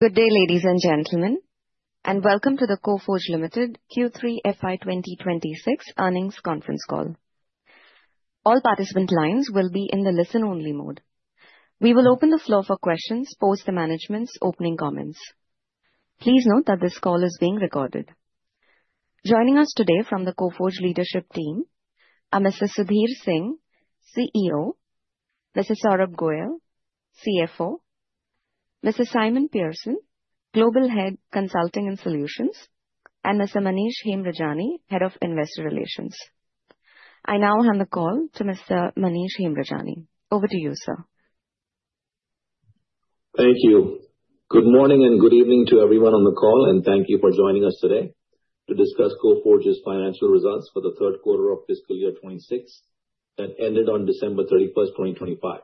Good day, ladies and gentlemen, and welcome to the Coforge Limited Q3 FY 2026 earnings conference call. All participant lines will be in the listen-only mode. We will open the floor for questions, post management's opening comments. Please note that this call is being recorded. Joining us today from the Coforge leadership team are Mr. Sudhir Singh, CEO; Mr. Saurabh Goel, CFO; Mr. Simon Pearson, Global Head Consulting and Solutions; and Mr. Manish Hemrajani, Head of Investor Relations. I now hand the call to Mr. Manish Hemrajani. Over to you, sir. Thank you. Good morning and good evening to everyone on the call, and thank you for joining us today to discuss Coforge's financial results for the third quarter of fiscal year 2026 that ended on December 31st, 2025.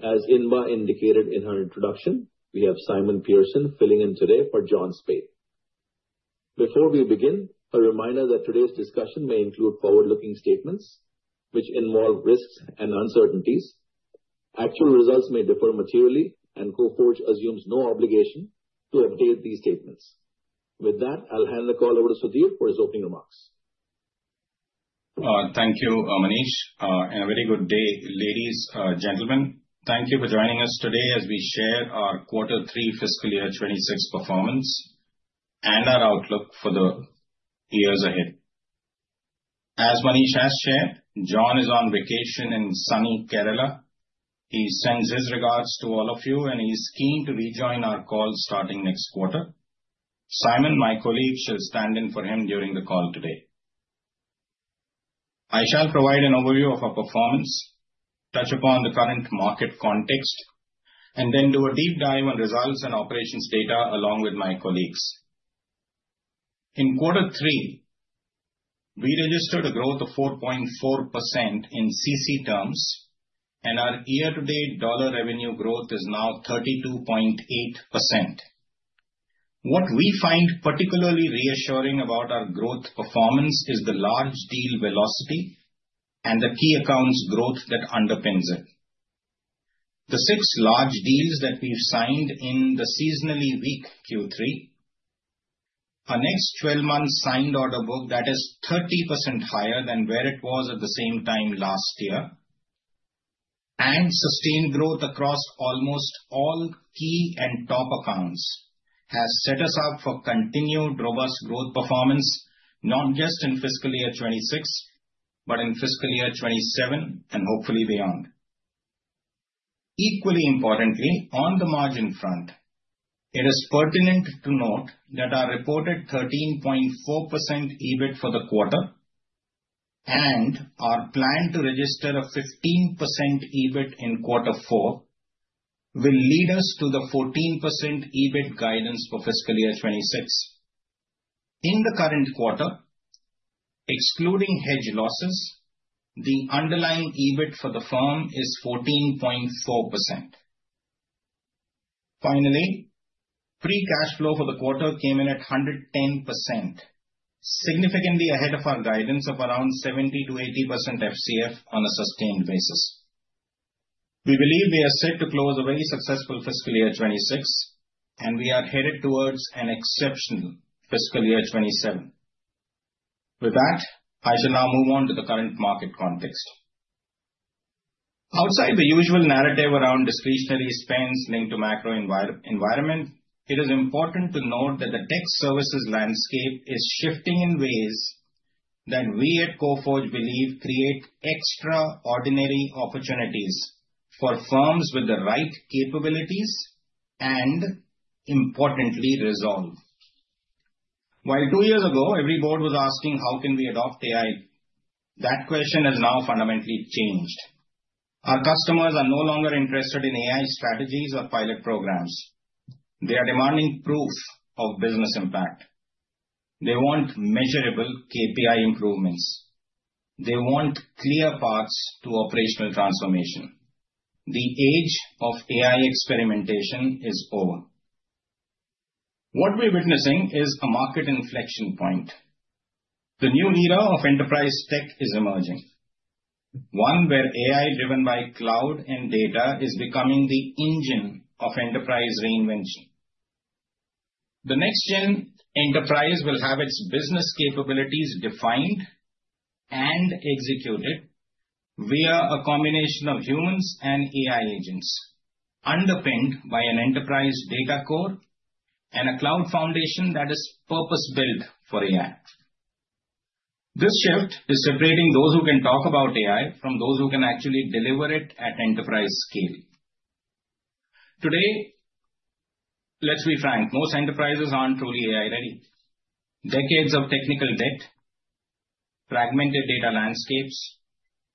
As Inba indicated in her introduction, we have Simon Pearson filling in today for John Speight. Before we begin, a reminder that today's discussion may include forward-looking statements which involve risks and uncertainties. Actual results may differ materially, and Coforge assumes no obligation to update these statements. With that, I'll hand the call over to Sudhir for his opening remarks. Thank you, Manish, and a very good day, ladies and gentlemen. Thank you for joining us today as we share our quarter three fiscal year 2026 performance and our outlook for the years ahead. As Manish has shared, John is on vacation in sunny Kerala. He sends his regards to all of you, and he's keen to rejoin our call starting next quarter. Simon, my colleague, shall stand in for him during the call today. I shall provide an overview of our performance, touch upon the current market context, and then do a deep dive on results and operations data along with my colleagues. In quarter three, we registered a growth of 4.4% in CC terms, and our year-to-date dollar revenue growth is now 32.8%. What we find particularly reassuring about our growth performance is the large deal velocity and the key accounts growth that underpins it. The six large deals that we've signed in the seasonally weak Q3, our next 12-month signed order book that is 30% higher than where it was at the same time last year, and sustained growth across almost all key and top accounts has set us up for continued robust growth performance, not just in fiscal year 2026, but in fiscal year 2027 and hopefully beyond. Equally importantly, on the margin front, it is pertinent to note that our reported 13.4% EBIT for the quarter and our plan to register a 15% EBIT in quarter four will lead us to the 14% EBIT guidance for fiscal year 2026. In the current quarter, excluding hedge losses, the underlying EBIT for the firm is 14.4%. Finally, free cash flow for the quarter came in at 110%, significantly ahead of our guidance of around 70%-80% FCF on a sustained basis. We believe we are set to close a very successful fiscal year 2026, and we are headed towards an exceptional fiscal year 2027. With that, I shall now move on to the current market context. Outside the usual narrative around discretionary spends linked to macro environment, it is important to note that the tech services landscape is shifting in ways that we at Coforge believe create extraordinary opportunities for firms with the right capabilities and, importantly, resolve. While two years ago, every board was asking, "How can we adopt AI?" that question has now fundamentally changed. Our customers are no longer interested in AI strategies or pilot programs. They are demanding proof of business impact. They want measurable KPI improvements. They want clear paths to operational transformation. The age of AI experimentation is over. What we're witnessing is a market inflection point. The new era of enterprise tech is emerging, one where AI driven by cloud and data is becoming the engine of enterprise reinvention. The next-gen enterprise will have its business capabilities defined and executed via a combination of humans and AI agents, underpinned by an enterprise data core and a cloud foundation that is purpose-built for AI. This shift is separating those who can talk about AI from those who can actually deliver it at enterprise scale. Today, let's be frank, most enterprises aren't truly AI-ready. Decades of technical debt, fragmented data landscapes,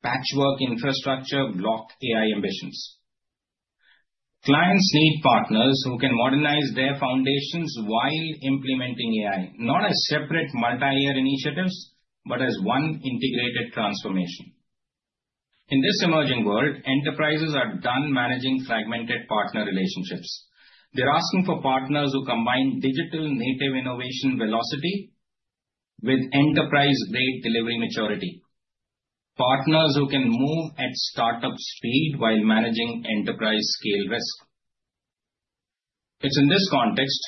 patchwork infrastructure block AI ambitions. Clients need partners who can modernize their foundations while implementing AI, not as separate multi-year initiatives, but as one integrated transformation. In this emerging world, enterprises are done managing fragmented partner relationships. They're asking for partners who combine digital native innovation velocity with enterprise-grade delivery maturity. Partners who can move at startup speed while managing enterprise-scale risk. It's in this context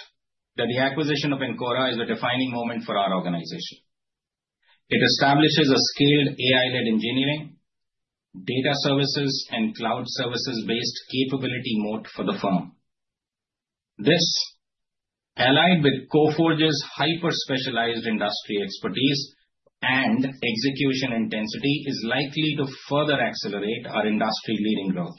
that the acquisition of Encora is a defining moment for our organization. It establishes a scaled AI-led engineering, data services, and cloud services-based capability moat for the firm. This, allied with Coforge's hyper-specialized industry expertise and execution intensity, is likely to further accelerate our industry-leading growth.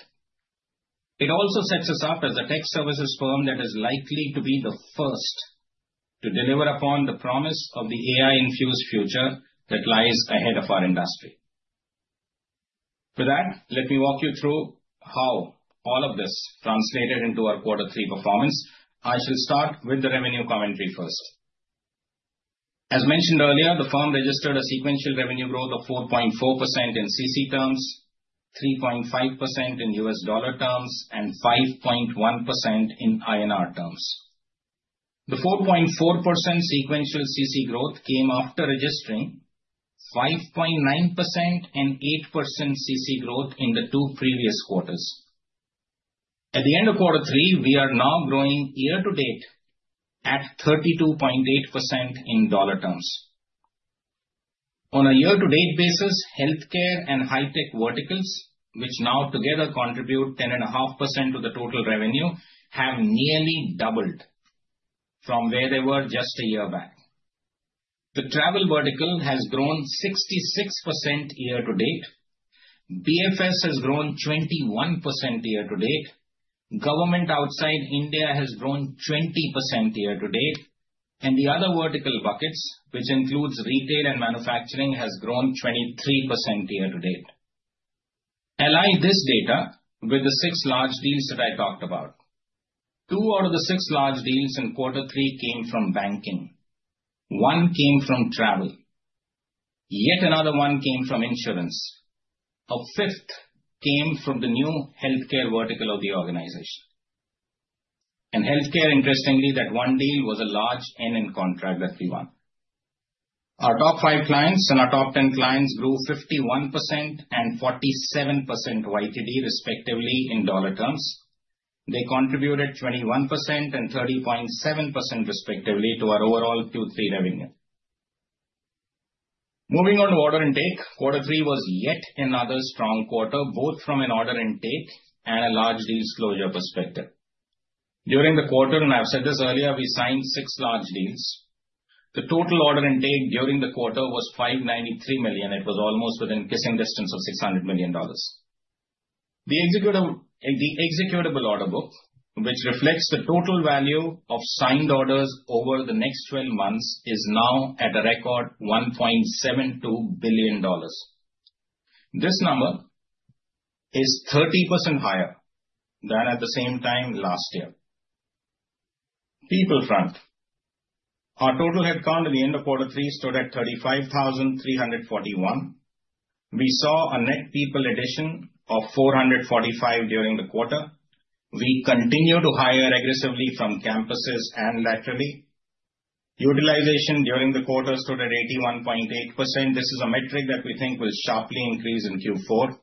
It also sets us up as a tech services firm that is likely to be the first to deliver upon the promise of the AI-infused future that lies ahead of our industry. For that, let me walk you through how all of this translated into our quarter three performance. I shall start with the revenue commentary first. As mentioned earlier, the firm registered a sequential revenue growth of 4.4% in CC terms, 3.5% in U.S. dollar terms, and 5.1% in INR terms. The 4.4% sequential CC growth came after registering 5.9% and 8% CC growth in the two previous quarters. At the end of quarter three, we are now growing year-to-date at 32.8% in dollar terms. On a year-to-date basis, healthcare and high-tech verticals, which now together contribute 10.5% to the total revenue, have nearly doubled from where they were just a year back. The travel vertical has grown 66% year-to-date. BFS has grown 21% year-to-date. Government outside India has grown 20% year-to-date. And the other vertical buckets, which includes retail and manufacturing, have grown 23% year-to-date. Align this data with the six large deals that I talked about. Two out of the six large deals in quarter three came from banking. One came from travel. Yet another one came from insurance. A fifth came from the new healthcare vertical of the organization. In healthcare, interestingly, that one deal was a large NN contract that we won. Our top five clients and our top ten clients grew 51% and 47% YTD, respectively, in dollar terms. They contributed 21% and 30.7%, respectively, to our overall Q3 revenue. Moving on to order intake, quarter three was yet another strong quarter, both from an order intake and a large deals closure perspective. During the quarter, and I've said this earlier, we signed six large deals. The total order intake during the quarter was $593 million. It was almost within kissing distance of $600 million. The executable order book, which reflects the total value of signed orders over the next 12 months, is now at a record $1.72 billion. This number is 30% higher than at the same time last year. People front, our total headcount at the end of quarter three stood at 35,341. We saw a net people addition of 445 during the quarter. We continue to hire aggressively from campuses and laterally. Utilization during the quarter stood at 81.8%. This is a metric that we think will sharply increase in Q4.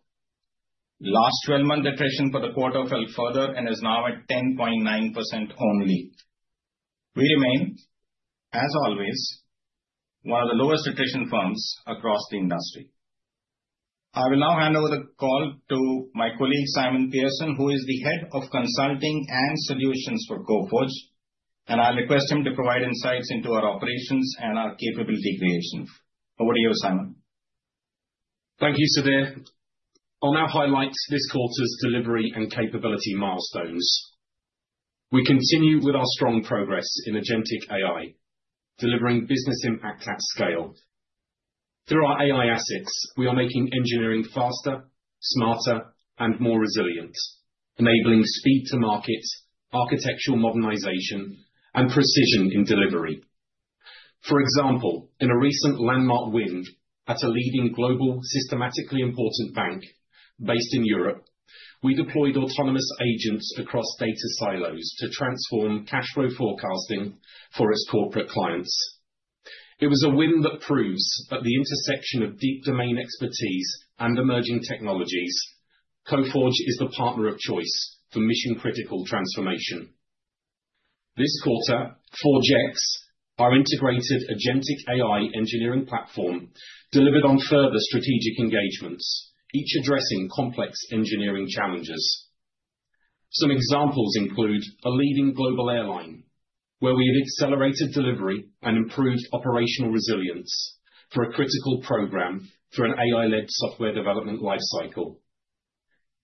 Last 12-month attrition for the quarter fell further and is now at 10.9% only. We remain, as always, one of the lowest attrition firms across the industry. I will now hand over the call to my colleague, Simon Pearson, who is the head of consulting and solutions for Coforge, and I'll request him to provide insights into our operations and our capability creation. Over to you, Simon. Thank you, Sudhir. I'll now highlight this quarter's delivery and capability milestones. We continue with our strong progress in agentic AI, delivering business impact at scale. Through our AI assets, we are making engineering faster, smarter, and more resilient, enabling speed to market, architectural modernization, and precision in delivery. For example, in a recent landmark win at a leading global systemically important bank based in Europe, we deployed autonomous agents across data silos to transform cash flow forecasting for its corporate clients. It was a win that proves at the intersection of deep domain expertise and emerging technologies, Coforge is the partner of choice for mission-critical transformation. This quarter, FORGEX, our integrated agentic AI engineering platform, delivered on further strategic engagements, each addressing complex engineering challenges. Some examples include a leading global airline, where we have accelerated delivery and improved operational resilience for a critical program through an AI-led software development life cycle.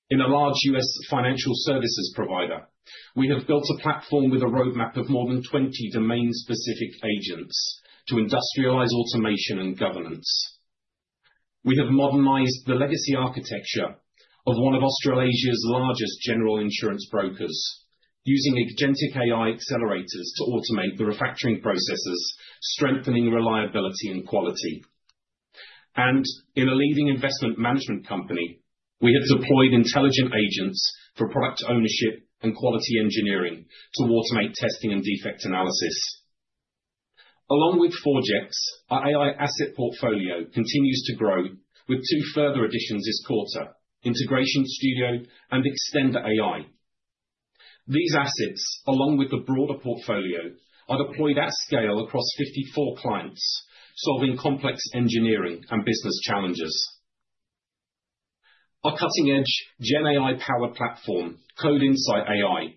In a large U.S. financial services provider, we have built a platform with a roadmap of more than 20 domain-specific agents to industrialize automation and governance. We have modernized the legacy architecture of one of Australasia's largest general insurance brokers, using agentic AI accelerators to automate the refactoring processes, strengthening reliability and quality, and in a leading investment management company, we have deployed intelligent agents for product ownership and quality engineering to automate testing and defect analysis. Along with FORGEX, our AI asset portfolio continues to grow with two further additions this quarter: Integration Studio and Extenda AI. These assets, along with the broader portfolio, are deployed at scale across 54 clients, solving complex engineering and business challenges. Our cutting-edge GenAI-powered platform, CodeInsightAI,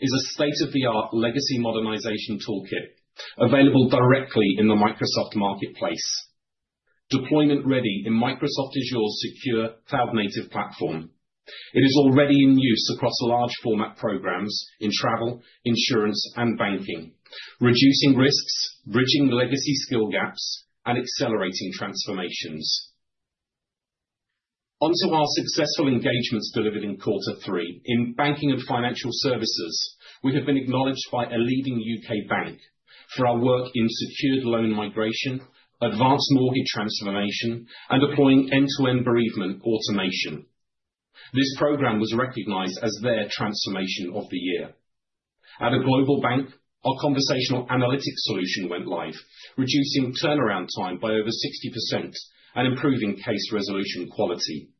is a state-of-the-art legacy modernization toolkit available directly in the Microsoft marketplace, deployment-ready in Microsoft Azure Secure cloud-native platform. It is already in use across large-format programs in travel, insurance, and banking, reducing risks, bridging legacy skill gaps, and accelerating transformations. Onto our successful engagements delivered in quarter three. In banking and financial services, we have been acknowledged by a leading UK bank for our work in secured loan migration, advanced mortgage transformation, and deploying end-to-end bereavement automation. This program was recognized as their transformation of the year. At a global bank, our conversational analytics solution went live, reducing turnaround time by over 60% and improving case resolution quality.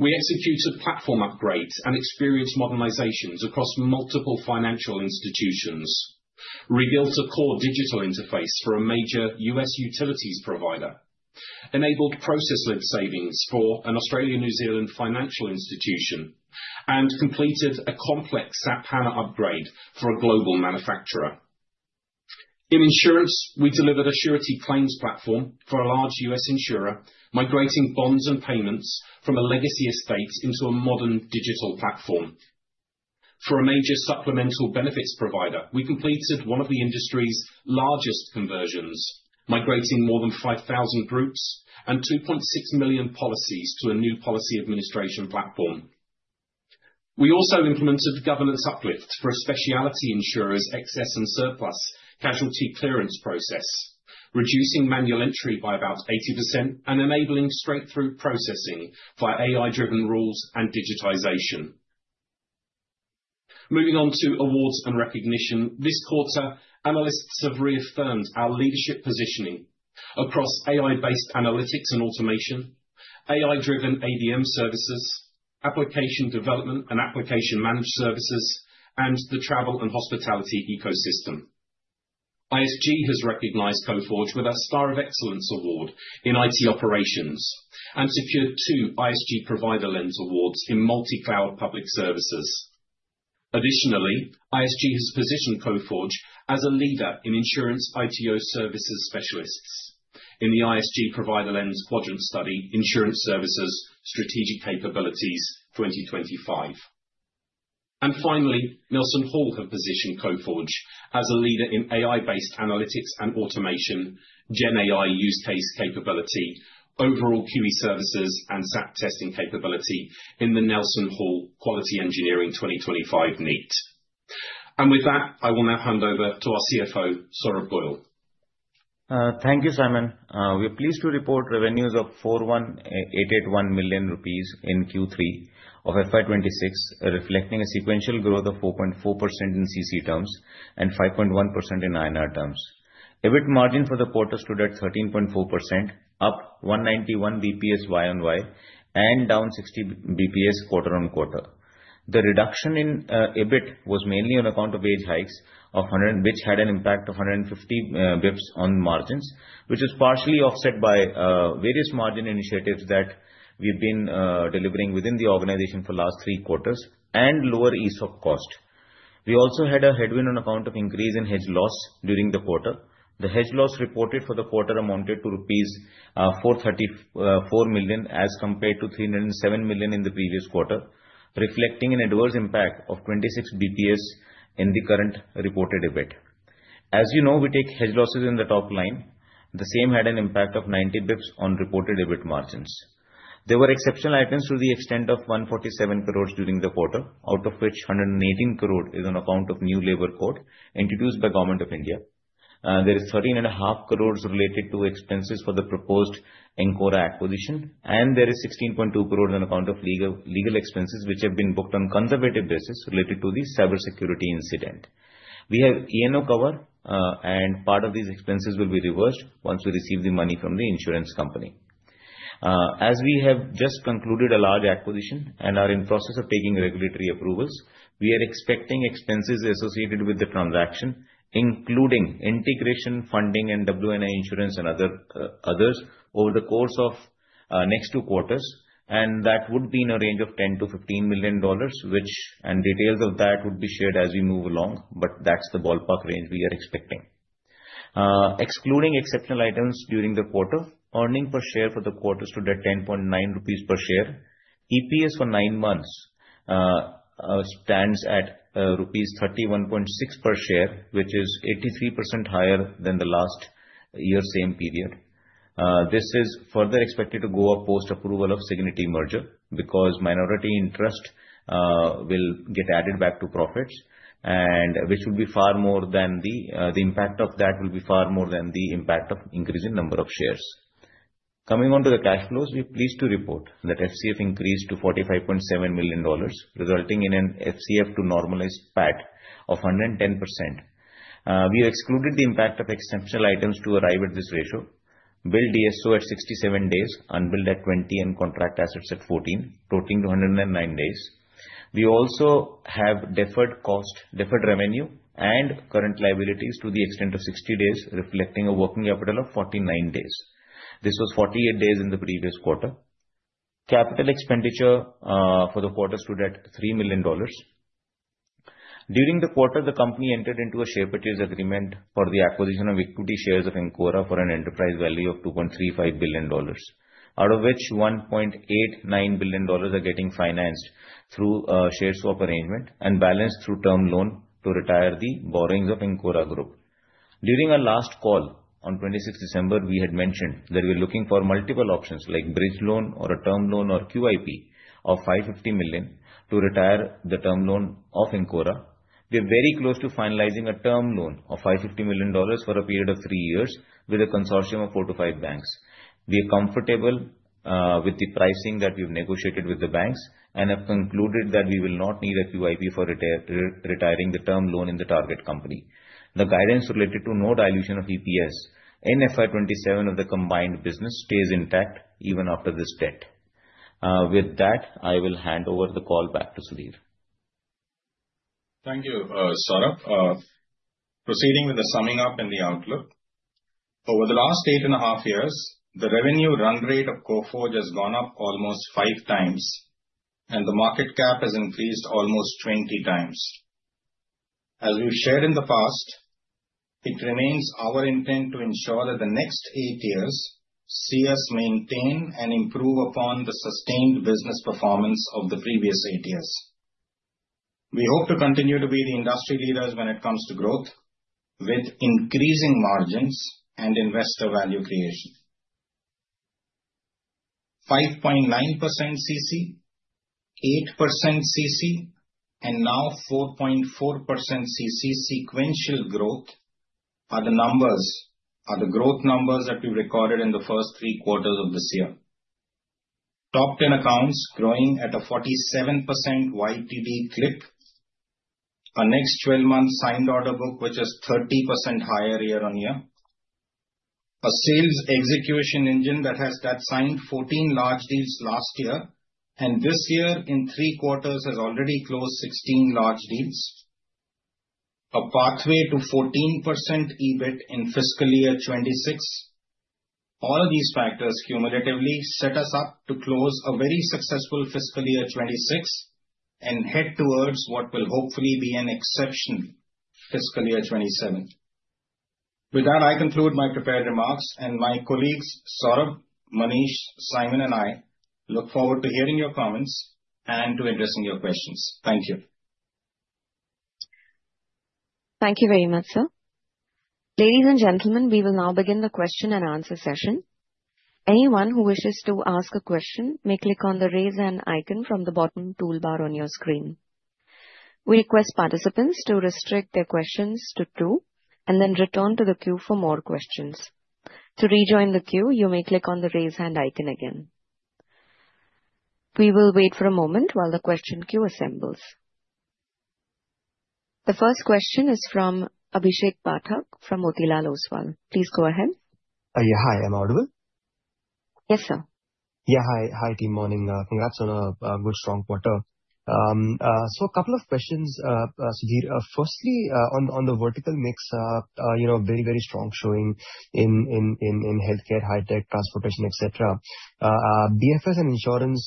We executed platform upgrades and experienced modernizations across multiple financial institutions, rebuilt a core digital interface for a major U.S. utilities provider, enabled process-led savings for an Australia-New Zealand financial institution, and completed a complex SAP HANA upgrade for a global manufacturer. In insurance, we delivered a surety claims platform for a large U.S. insurer, migrating bonds and payments from a legacy estate into a modern digital platform. For a major supplemental benefits provider, we completed one of the industry's largest conversions, migrating more than 5,000 groups and 2.6 million policies to a new policy administration platform. We also implemented governance uplift for a specialty insurer's excess and surplus casualty clearance process, reducing manual entry by about 80% and enabling straight-through processing via AI-driven rules and digitization. Moving on to awards and recognition, this quarter, analysts have reaffirmed our leadership positioning across AI-based analytics and automation, AI-driven ABM services, application development and application managed services, and the travel and hospitality ecosystem. ISG has recognized Coforge with a Star of Excellence Award in IT operations and secured two ISG Provider Lens awards in multi-cloud public services. Additionally, ISG has positioned Coforge as a leader in insurance ITO services specialists in the ISG Provider Lens quadrant study, Insurance Services Strategic Capabilities 2025. And finally, NelsonHall has positioned Coforge as a leader in AI-based analytics and automation, GenAI use case capability, overall QE services, and SAP testing capability in the NelsonHall Quality Engineering 2025 NEET. And with that, I will now hand over to our CFO, Saurabh Goel. Thank you, Simon. We are pleased to report revenues of 4,188,100,000 rupees in Q3 of FY26, reflecting a sequential growth of 4.4% in CC terms and 5.1% in INR terms. EBIT margin for the quarter stood at 13.4%, up 191 basis points year on year and down 60 basis points quarter on quarter. The reduction in EBIT was mainly on account of wage hikes, which had an impact of 150 basis points on margins, which was partially offset by various margin initiatives that we've been delivering within the organization for the last three quarters and lower ESOP cost. We also had a headwind on account of increase in hedge loss during the quarter. The hedge loss reported for the quarter amounted to rupees 434 million as compared to 307 million in the previous quarter, reflecting an adverse impact of 26 basis points in the current reported EBIT. As you know, we take hedge losses in the top line. The same had an impact of 90 basis points on reported EBIT margins. There were exceptional items to the extent of 147 crores during the quarter, out of which 118 crore is on account of new labor code introduced by the Government of India. There is 13.5 crores related to expenses for the proposed Encora acquisition, and there is 16.2 crore on account of legal expenses, which have been booked on a conservative basis related to the cybersecurity incident. We have E&O cover, and part of these expenses will be reversed once we receive the money from the insurance company. As we have just concluded a large acquisition and are in the process of taking regulatory approvals, we are expecting expenses associated with the transaction, including integration funding and W&I insurance and others, over the course of the next two quarters. That would be in a range of $10-$15 million, which details of that would be shared as we move along, but that's the ballpark range we are expecting. Excluding exceptional items during the quarter, earnings per share for the quarter stood at ₹10.9 per share. EPS for nine months stands at ₹31.6 per share, which is 83% higher than the last year's same period. This is further expected to go up post-approval of Signity merger because minority interest will get added back to profits, which will be far more than the impact of increasing number of shares. Coming on to the cash flows, we are pleased to report that FCF increased to $45.7 million, resulting in an FCF to normalized PAT of 110%. We have excluded the impact of exceptional items to arrive at this ratio, billed DSO at 67 days, unbilled at 20, and contract assets at 14, totaling to 109 days. We also have deferred cost, deferred revenue, and current liabilities to the extent of 60 days, reflecting a working capital of 49 days. This was 48 days in the previous quarter. Capital expenditure for the quarter stood at $3 million. During the quarter, the company entered into a share purchase agreement for the acquisition of equity shares of Encora for an enterprise value of $2.35 billion, out of which $1.89 billion are getting financed through a share swap arrangement and balance through term loan to retire the borrowings of Encora Group. During our last call on 26 December, we had mentioned that we are looking for multiple options like bridge loan or a term loan or QIP of 550 million to retire the term loan of Encora. We are very close to finalizing a term loan of $550 million for a period of three years with a consortium of four to five banks. We are comfortable with the pricing that we have negotiated with the banks and have concluded that we will not need a QIP for retiring the term loan in the target company. The guidance related to no dilution of EPS in FY27 of the combined business stays intact even after this date. With that, I will hand over the call back to Sudhir. Thank you, Saurabh. Proceeding with the summing up and the outlook, over the last eight and a half years, the revenue run rate of Coforge has gone up almost five times, and the market cap has increased almost 20 times. As we've shared in the past, it remains our intent to ensure that the next eight years see us maintain and improve upon the sustained business performance of the previous eight years. We hope to continue to be the industry leaders when it comes to growth with increasing margins and investor value creation. 5.9% CC, 8% CC, and now 4.4% CC sequential growth are the numbers, are the growth numbers that we recorded in the first three quarters of this year. Top 10 accounts growing at a 47% YTD clip, a next 12-month signed order book, which is 30% higher year on year, a sales execution engine that has signed 14 large deals last year, and this year in three quarters has already closed 16 large deals, a pathway to 14% EBIT in fiscal year 26. All of these factors cumulatively set us up to close a very successful fiscal year 26 and head towards what will hopefully be an exceptional fiscal year 27. With that, I conclude my prepared remarks, and my colleagues, Saurabh, Manish, Simon, and I look forward to hearing your comments and to addressing your questions. Thank you. Thank you very much, sir. Ladies and gentlemen, we will now begin the question and answer session. Anyone who wishes to ask a question may click on the raise hand icon from the bottom toolbar on your screen. We request participants to restrict their questions to two and then return to the queue for more questions. To rejoin the queue, you may click on the raise hand icon again. We will wait for a moment while the question queue assembles. The first question is from Abhishek Pathak from Motilal Oswal. Please go ahead. Yeah, hi. Am I audible? Yes, sir. Yeah, hi. Hi, good morning. Congrats on a good, strong quarter. So a couple of questions, Sudhir. Firstly, on the vertical mix, very, very strong showing in healthcare, high-tech, transportation, etc. BFS and insurance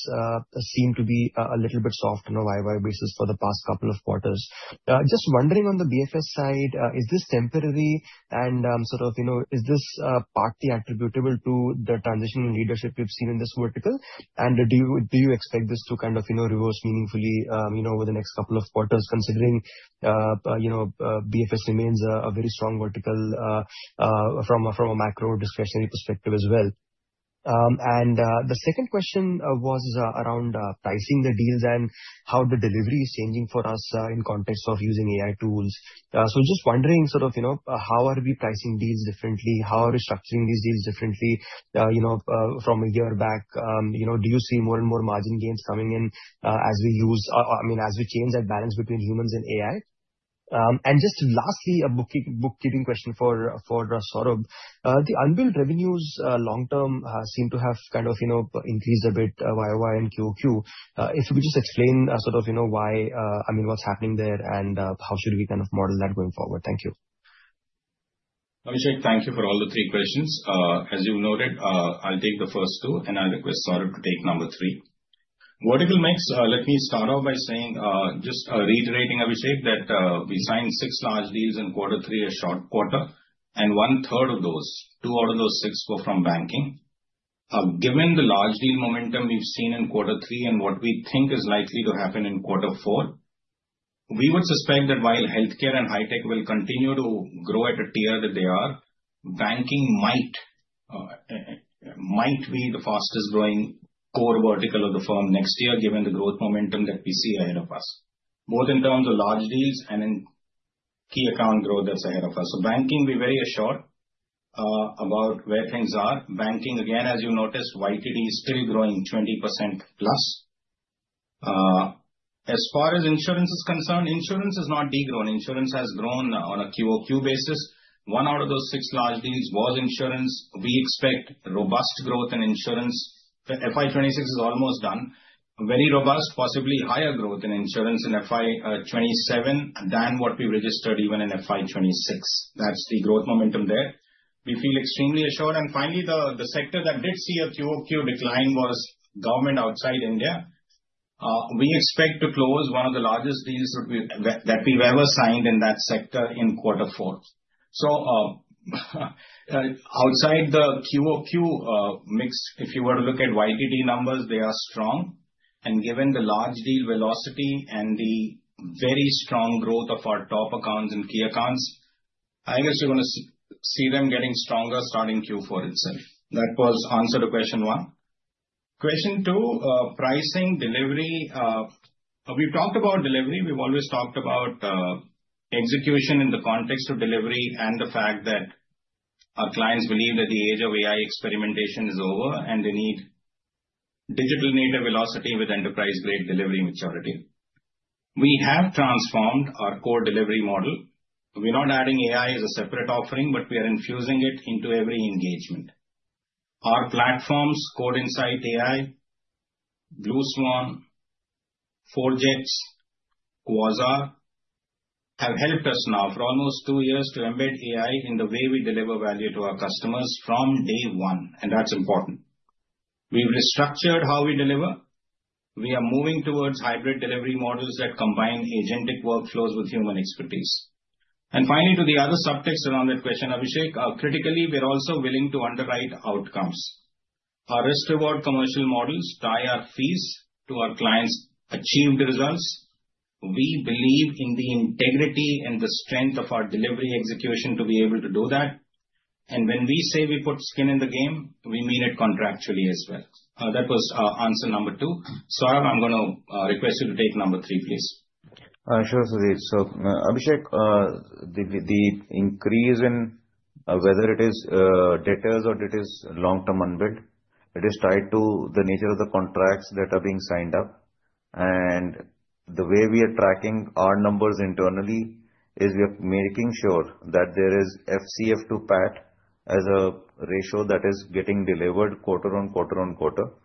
seem to be a little bit soft on a YoY basis for the past couple of quarters. Just wondering on the BFS side, is this temporary and sort of is this partly attributable to the transitional leadership we've seen in this vertical? And do you expect this to kind of reverse meaningfully over the next couple of quarters, considering BFS remains a very strong vertical from a macro discretionary perspective as well? And the second question was around pricing the deals and how the delivery is changing for us in context of using AI tools. So just wondering sort of how are we pricing deals differently? How are we structuring these deals differently from a year back? Do you see more and more margin gains coming in as we use, I mean, as we change that balance between humans and AI? And just lastly, a bookkeeping question for Saurabh. The unbilled revenues long-term seem to have kind of increased a bit YoY and QoQ. If you could just explain sort of why, I mean, what's happening there and how should we kind of model that going forward? Thank you. Abhishek, thank you for all the three questions. As you've noted, I'll take the first two, and I'll request Saurabh to take number three. Vertical mix, let me start off by saying, just reiterating, Abhishek, that we signed six large deals in quarter three, a short quarter, and 1/3 of those, two out of those six were from banking. Given the large deal momentum we've seen in quarter three and what we think is likely to happen in quarter four, we would suspect that while healthcare and high-tech will continue to grow at a tier that they are, banking might be the fastest-growing core vertical of the firm next year, given the growth momentum that we see ahead of us, both in terms of large deals and in key account growth that's ahead of us. So banking, we're very assured about where things are. Banking, again, as you noticed, YTD is still growing 20%+. As far as insurance is concerned, insurance is not degrown. Insurance has grown on a QoQ basis. One out of those six large deals was insurance. We expect robust growth in insurance. FY 2026 is almost done. Very robust, possibly higher growth in insurance in FY 2027 than what we registered even in FY 2026. That's the growth momentum there. We feel extremely assured. And finally, the sector that did see a QoQ decline was government outside India. We expect to close one of the largest deals that we've ever signed in that sector in quarter four. So outside the QoQ mix, if you were to look at YTD numbers, they are strong. And given the large deal velocity and the very strong growth of our top accounts and key accounts, I guess you're going to see them getting stronger starting Q4 itself. That was answer to question one. Question two, pricing, delivery. We've talked about delivery. We've always talked about execution in the context of delivery and the fact that our clients believe that the age of AI experimentation is over and they need digital native velocity with enterprise-grade delivery maturity. We have transformed our core delivery model. We're not adding AI as a separate offering, but we are infusing it into every engagement. Our platforms, CodeInsightAI, BlueSwan, Forge-X, Quasar, have helped us now for almost two years to embed AI in the way we deliver value to our customers from day one. And that's important. We've restructured how we deliver. We are moving towards hybrid delivery models that combine agentic workflows with human expertise. And finally, to the other subtexts around that question, Abhishek, critically, we're also willing to underwrite outcomes. Our risk-reward commercial models tie our fees to our clients' achieved results. We believe in the integrity and the strength of our delivery execution to be able to do that. And when we say we put skin in the game, we mean it contractually as well. That was answer number two. Saurabh, I'm going to request you to take number three, please. Sure, Sudhir. So Abhishek, the increase in whether it is details or it is long-term unbilled, it is tied to the nature of the contracts that are being signed up. And the way we are tracking our numbers internally is we are making sure that there is FCF to PAT as a ratio that is getting delivered quarter-on-quarter.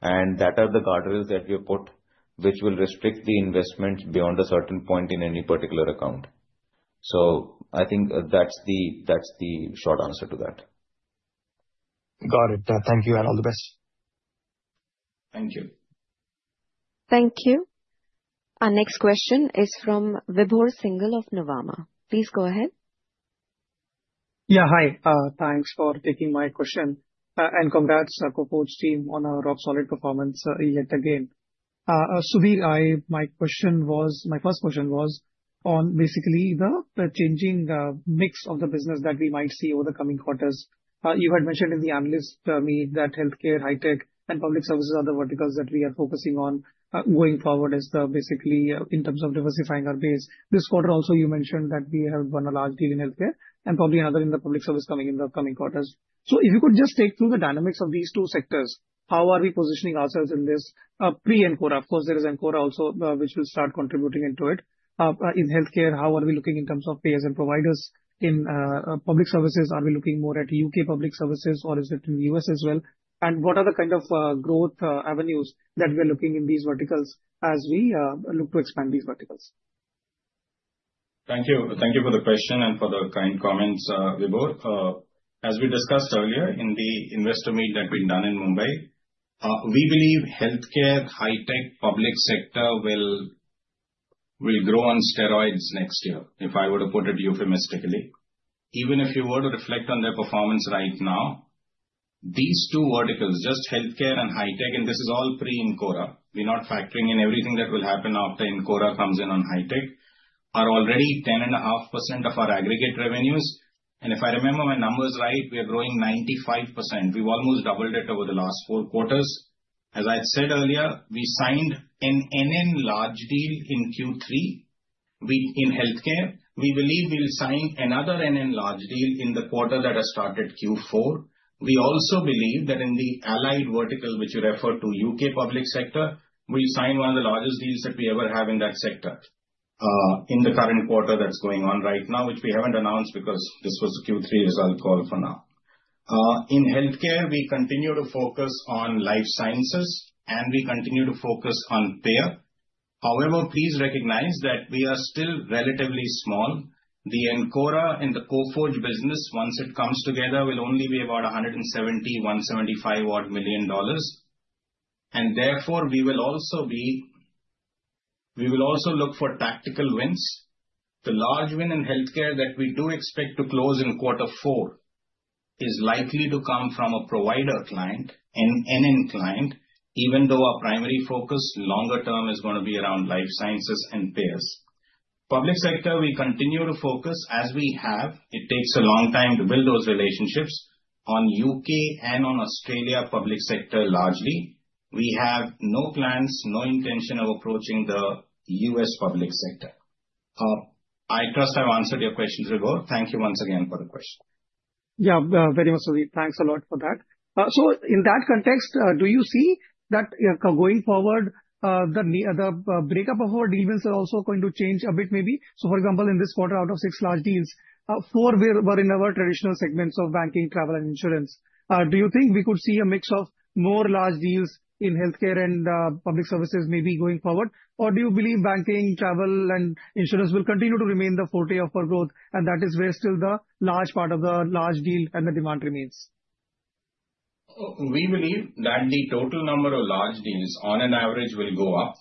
And that are the guardrails that we have put, which will restrict the investment beyond a certain point in any particular account. So I think that's the short answer to that. Got it. Thank you. And all the best. Thank you. Thank you. Our next question is from Vibhor Singhal of Nuvama. Please go ahead. Yeah, hi. Thanks for taking my question. And congrats to Coforge team on a rock-solid performance yet again. Sudhir, my question was, my first question was on basically the changing mix of the business that we might see over the coming quarters. You had mentioned in the analyst meet that healthcare, high-tech, and public services are the verticals that we are focusing on going forward as basically in terms of diversifying our base. This quarter also, you mentioned that we have done a large deal in healthcare and probably another in the public service coming in the coming quarters. So if you could just take through the dynamics of these two sectors, how are we positioning ourselves in this pre-Encora? Of course, there is Encora also, which will start contributing into it. In healthcare, how are we looking in terms of payers and providers? In public services, are we looking more at U.K. public services, or is it in the U.S. as well? And what are the kind of growth avenues that we are looking in these verticals as we look to expand these verticals? Thank you. Thank you for the question and for the kind comments, Vibhor. As we discussed earlier in the investor meet that we've done in Mumbai, we believe healthcare, high-tech public sector will grow on steroids next year, if I were to put it euphemistically. Even if you were to reflect on their performance right now, these two verticals, just healthcare and high-tech, and this is all pre-Encora. We're not factoring in everything that will happen after Encora comes in on high-tech. Are already 10.5% of our aggregate revenues. And if I remember my numbers right, we are growing 95%. We've almost doubled it over the last four quarters. As I said earlier, we signed an NN large deal in Q3. In healthcare, we believe we'll sign another NN large deal in the quarter that has started Q4. We also believe that in the allied vertical, which you referred to, UK public sector, we'll sign one of the largest deals that we ever have in that sector in the current quarter that's going on right now, which we haven't announced because this was a Q3 result call for now. In healthcare, we continue to focus on life sciences, and we continue to focus on payer. However, please recognize that we are still relatively small. The Encora and the Coforge business, once it comes together, will only be about $170 million-$175 odd million. And therefore, we will also look for tactical wins. The large win in healthcare that we do expect to close in quarter four is likely to come from a provider client, an NN client, even though our primary focus longer term is going to be around life sciences and payers. Public sector, we continue to focus as we have. It takes a long time to build those relationships on U.K. and on Australia public sector largely. We have no plans, no intention of approaching the U.S. public sector. I trust I've answered your questions, Vibhor. Thank you once again for the question. Yeah, very much, Sudhir. Thanks a lot for that. So in that context, do you see that going forward, the breakup of our deal wins are also going to change a bit maybe? So for example, in this quarter, out of six large deals, four were in our traditional segments of banking, travel, and insurance. Do you think we could see a mix of more large deals in healthcare and public services maybe going forward? Or do you believe banking, travel, and insurance will continue to remain the forte of our growth, and that is where still the large part of the large deal and the demand remains? We believe that the total number of large deals on an average will go up.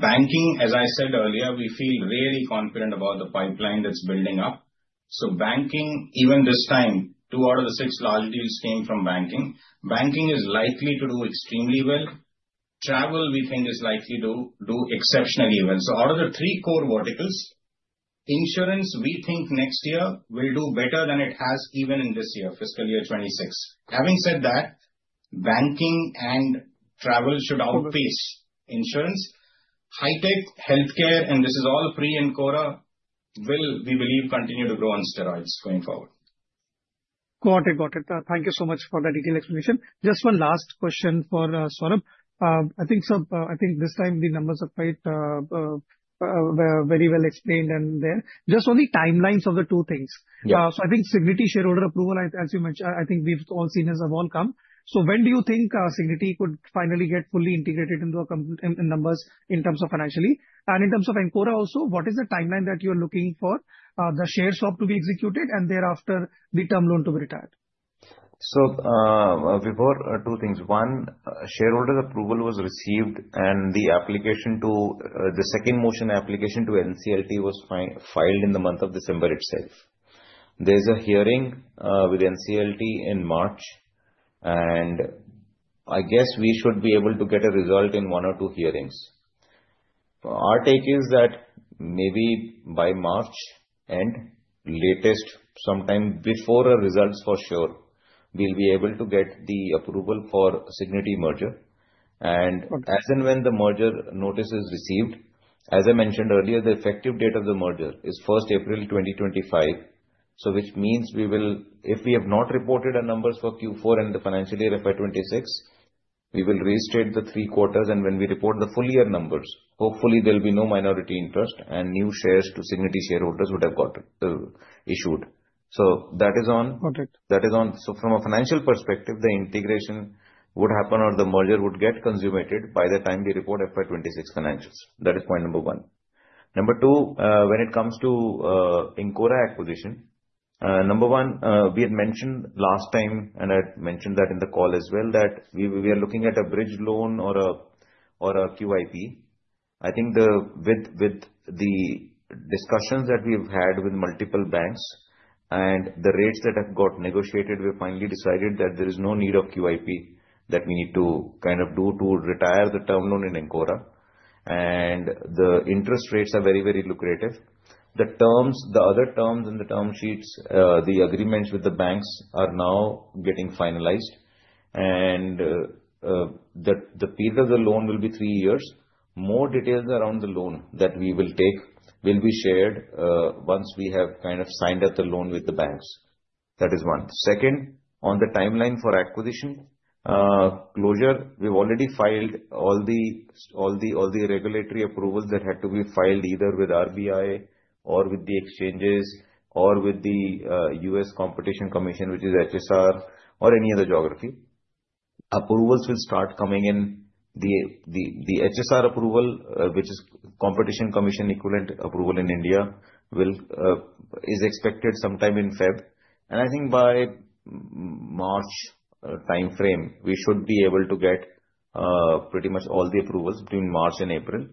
Banking, as I said earlier, we feel really confident about the pipeline that's building up. So banking, even this time, two out of the six large deals came from banking. Banking is likely to do extremely well. Travel, we think, is likely to do exceptionally well. So out of the three core verticals, insurance, we think next year will do better than it has even in this year, fiscal year 2026. Having said that, banking and travel should outpace insurance. High-tech, healthcare, and this is all pre-Encora will, we believe, continue to grow on steroids going forward. Got it. Got it. Thank you so much for that detailed explanation. Just one last question for Saurabh. I think this time the numbers are quite very well explained and there. Just on the timelines of the two things. So I think Cigniti shareholder approval, as you mentioned, I think we've all seen has all come. So when do you think Cigniti could finally get fully integrated into our numbers in terms of financially? And in terms of Encora also, what is the timeline that you're looking for the shares swap to be executed and thereafter the term loan to be retired? Vibhor, two things. One, shareholder approval was received and the application to the second motion application to NCLT was filed in the month of December itself. There is a hearing with NCLT in March. I guess we should be able to get a result in one or two hearings. Our take is that maybe by March end latest, sometime before our results for sure, we will be able to get the approval for Cigniti merger. As and when the merger notice is received, as I mentioned earlier, the effective date of the merger is 1st April 2025. This means we will, if we have not reported our numbers for Q4 and the financial year FY 2026, restate the three quarters. When we report the full year numbers, hopefully there will be no minority interest and new shares to Cigniti shareholders would have got issued. So that is on. Got it. That is one. So from a financial perspective, the integration would happen or the merger would get consummated by the time we report FY 2026 financials. That is point number one. Number two, when it comes to Encora acquisition, number one, we had mentioned last time, and I had mentioned that in the call as well, that we are looking at a bridge loan or a QIP. I think with the discussions that we've had with multiple banks and the rates that have got negotiated, we finally decided that there is no need of QIP that we need to kind of do to retire the term loan in Encora. And the interest rates are very, very lucrative. The other terms and the term sheets, the agreements with the banks are now getting finalized. And the period of the loan will be three years. More details around the loan that we will take will be shared once we have kind of signed up the loan with the banks. That is one. Second, on the timeline for acquisition closure, we've already filed all the regulatory approvals that had to be filed either with RBI or with the exchanges or with the U.S. Competition Commission, which is HSR or any other geography. Approvals will start coming in. The HSR approval, which is Competition Commission equivalent approval in India, is expected sometime in February. And I think by March timeframe, we should be able to get pretty much all the approvals between March and April.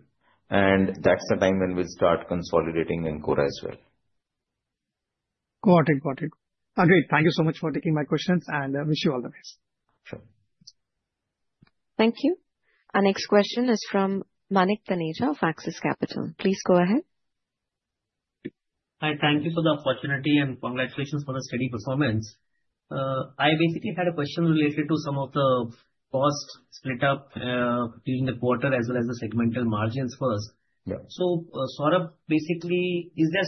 And that's the time when we'll start consolidating Encora as well. Got it. Got it. Great. Thank you so much for taking my questions and wish you all the best. Sure. Thank you. Our next question is from Manik Taneja of Axis Capital. Please go ahead. Hi, thank you for the opportunity and congratulations for the steady performance. I basically had a question related to some of the cost split-up during the quarter as well as the segmental margins for us. So Saurabh, basically, is there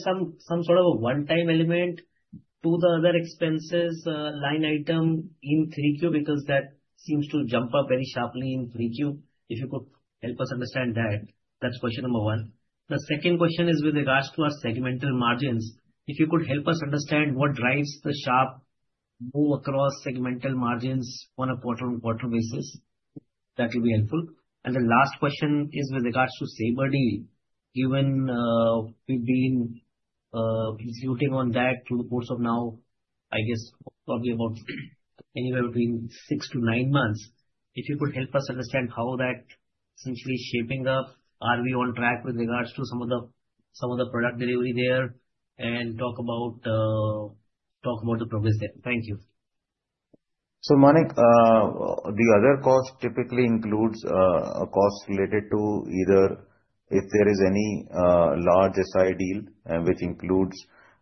some sort of a one-time element to the other expenses line item in 3Q? Because that seems to jump up very sharply in 3Q. If you could help us understand that, that's question number one. The second question is with regards to our segmental margins. If you could help us understand what drives the sharp move across segmental margins on a quarter-on-quarter basis, that will be helpful. And the last question is with regards to Sabre Deal. Given we've been executing on that through the course of now, I guess, probably about anywhere between six to nine months, if you could help us understand how that is essentially shaping up. Are we on track with regards to some of the product delivery there and talk about the progress there? Thank you. So, Manik, the other cost typically includes a cost related to either if there is any large SI deal, which includes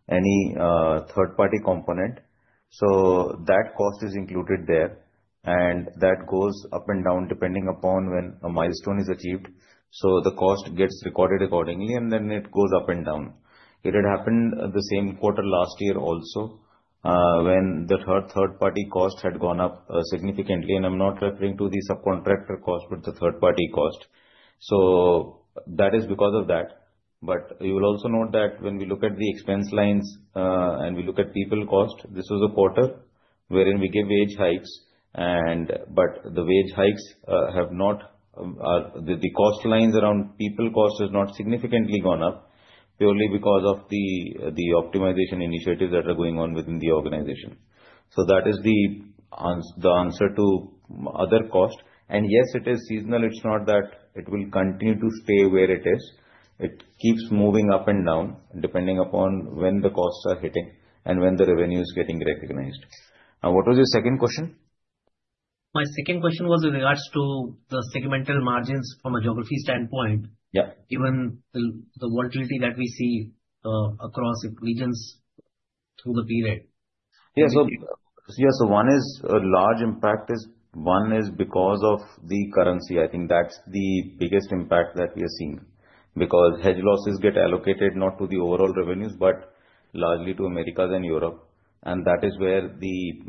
any third-party component. So that cost is included there. And that goes up and down depending upon when a milestone is achieved. So the cost gets recorded accordingly, and then it goes up and down. It had happened the same quarter last year also when the third-party cost had gone up significantly. And I'm not referring to the subcontractor cost, but the third-party cost. So that is because of that. But you will also note that when we look at the expense lines and we look at people cost, this was a quarter wherein we gave wage hikes. But the wage hikes have not, the cost lines around people cost has not significantly gone up purely because of the optimization initiatives that are going on within the organization. So that is the answer to other cost. And yes, it is seasonal. It's not that it will continue to stay where it is. It keeps moving up and down depending upon when the costs are hitting and when the revenue is getting recognized. Now, what was your second question? My second question was with regards to the segmental margins from a geography standpoint, given the volatility that we see across regions through the period. Yeah. So, one is a large impact. One is because of the currency. I think that's the biggest impact that we are seeing because hedge losses get allocated not to the overall revenues, but largely to Americas and Europe. And that is where the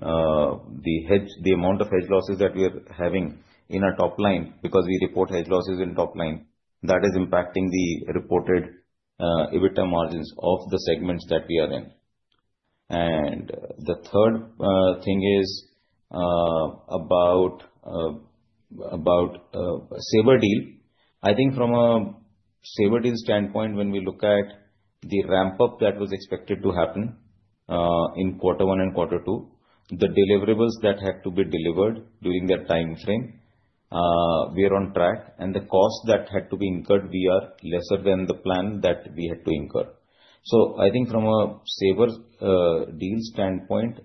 amount of hedge losses that we are having in our top line, because we report hedge losses in top line, that is impacting the reported EBITDA margins of the segments that we are in. And the third thing is about the Sabre deal. I think from a Sabre deal standpoint, when we look at the ramp-up that was expected to happen in quarter one and quarter two, the deliverables that had to be delivered during that timeframe, we are on track. And the cost that had to be incurred, we are less than the plan that we had to incur. I think from a Sabre deal standpoint,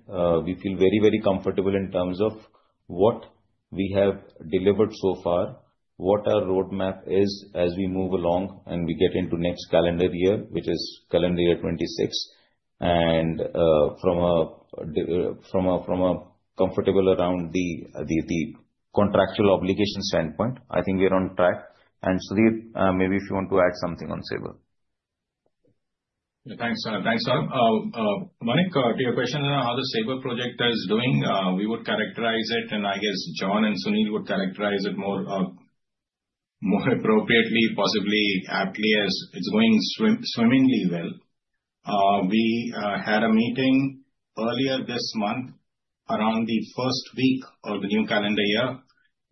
we feel very, very comfortable in terms of what we have delivered so far, what our roadmap is as we move along, and we get into next calendar year, which is calendar year 2026. From a comfortable around the contractual obligation standpoint, I think we are on track. Sudhir, maybe if you want to add something on Sabre. Thanks, Saurabh. Manik, to your question on how the Sabre project is doing, we would characterize it, and I guess John and Sunil would characterize it more appropriately, possibly aptly as it's going swimmingly well. We had a meeting earlier this month around the first week of the new calendar year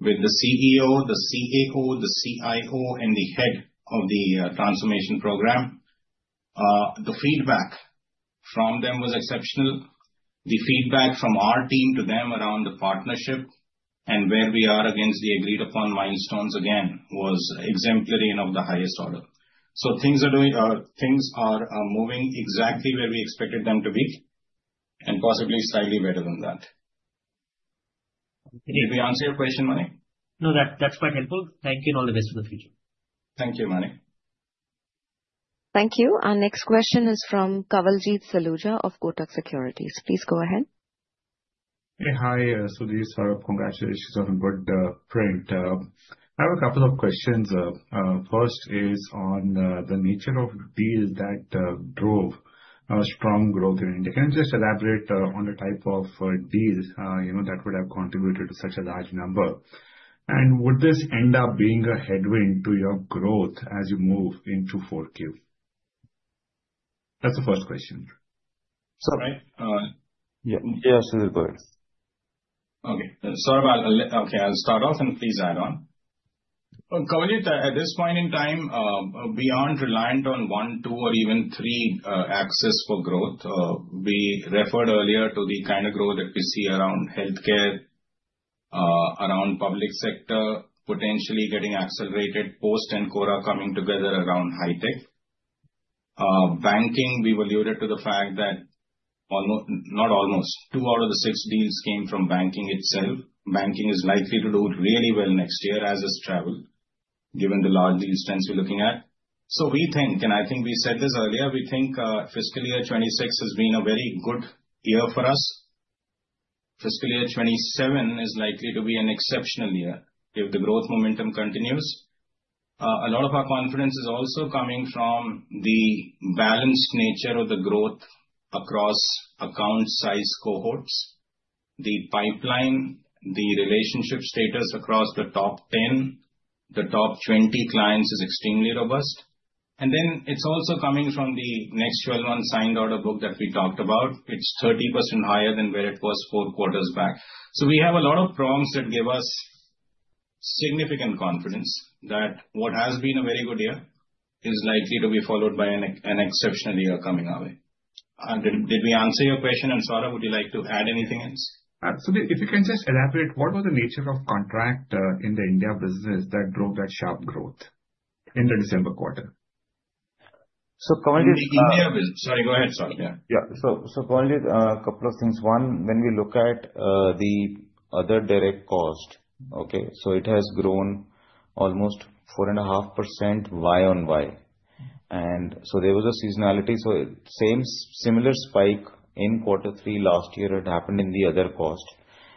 with the CEO, the CAO, the CIO, and the head of the transformation program. The feedback from them was exceptional. The feedback from our team to them around the partnership and where we are against the agreed-upon milestones again was exemplary and of the highest order. So things are moving exactly where we expected them to be and possibly slightly better than that. Did we answer your question, Manik? No, that's quite helpful. Thank you and all the best for the future. Thank you, Manik. Thank you. Our next question is from Kawaljeet Saluja of Kotak Securities. Please go ahead. Hey, hi, Sudhir, Saurabh, congratulations on a good print. I have a couple of questions. First is on the nature of deals that drove strong growth in India. Can you just elaborate on the type of deal that would have contributed to such a large number? And would this end up being a headwind to your growth as you move into 4Q? That's the first question. Sorry. Yeah, Sudhir, go ahead. Okay. Okay, I'll start off and please add on. Kawaljeet, at this point in time, we aren't reliant on one, two, or even three axes for growth. We referred earlier to the kind of growth that we see around healthcare, around public sector, potentially getting accelerated, post-Encora coming together around high-tech. Banking, we alluded to the fact that almost two out of the six deals came from banking itself. Banking is likely to do really well next year as is travel, given the large deal strength we're looking at. So we think, and I think we said this earlier, we think fiscal year 26 has been a very good year for us. Fiscal year 2027 is likely to be an exceptional year if the growth momentum continues. A lot of our confidence is also coming from the balanced nature of the growth across account-size cohorts. The pipeline, the relationship status across the top 10, the top 20 clients is extremely robust. And then it's also coming from the next 12-month signed order book that we talked about. It's 30% higher than where it was four quarters back. So we have a lot of prompts that give us significant confidence that what has been a very good year is likely to be followed by an exceptional year coming our way. Did we answer your question? And Saurabh, would you like to add anything else? Absolutely. If you can just elaborate, what was the nature of contract in the India business that drove that sharp growth in the December quarter? So Kawaljeet is calling. In the India business. Sorry, go ahead, Saurabh. Yeah. Yeah. So, Kawaljeet, a couple of things. One, when we look at the other direct cost, okay, so it has grown almost 4.5% YoY. And so there was a seasonality. So similar spike in quarter three last year, it happened in the other cost.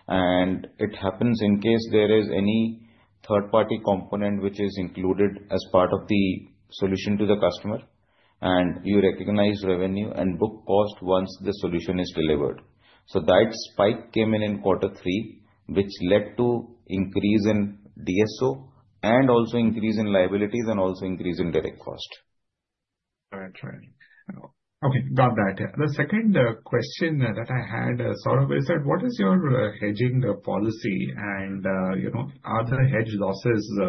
And it happens in case there is any third-party component which is included as part of the solution to the customer. And you recognize revenue and book cost once the solution is delivered. So that spike came in in quarter three, which led to increase in DSO and also increase in liabilities and also increase in direct cost. All right. Okay. Got that. The second question that I had, Saurabh, is that what is your hedging policy? And are the hedge losses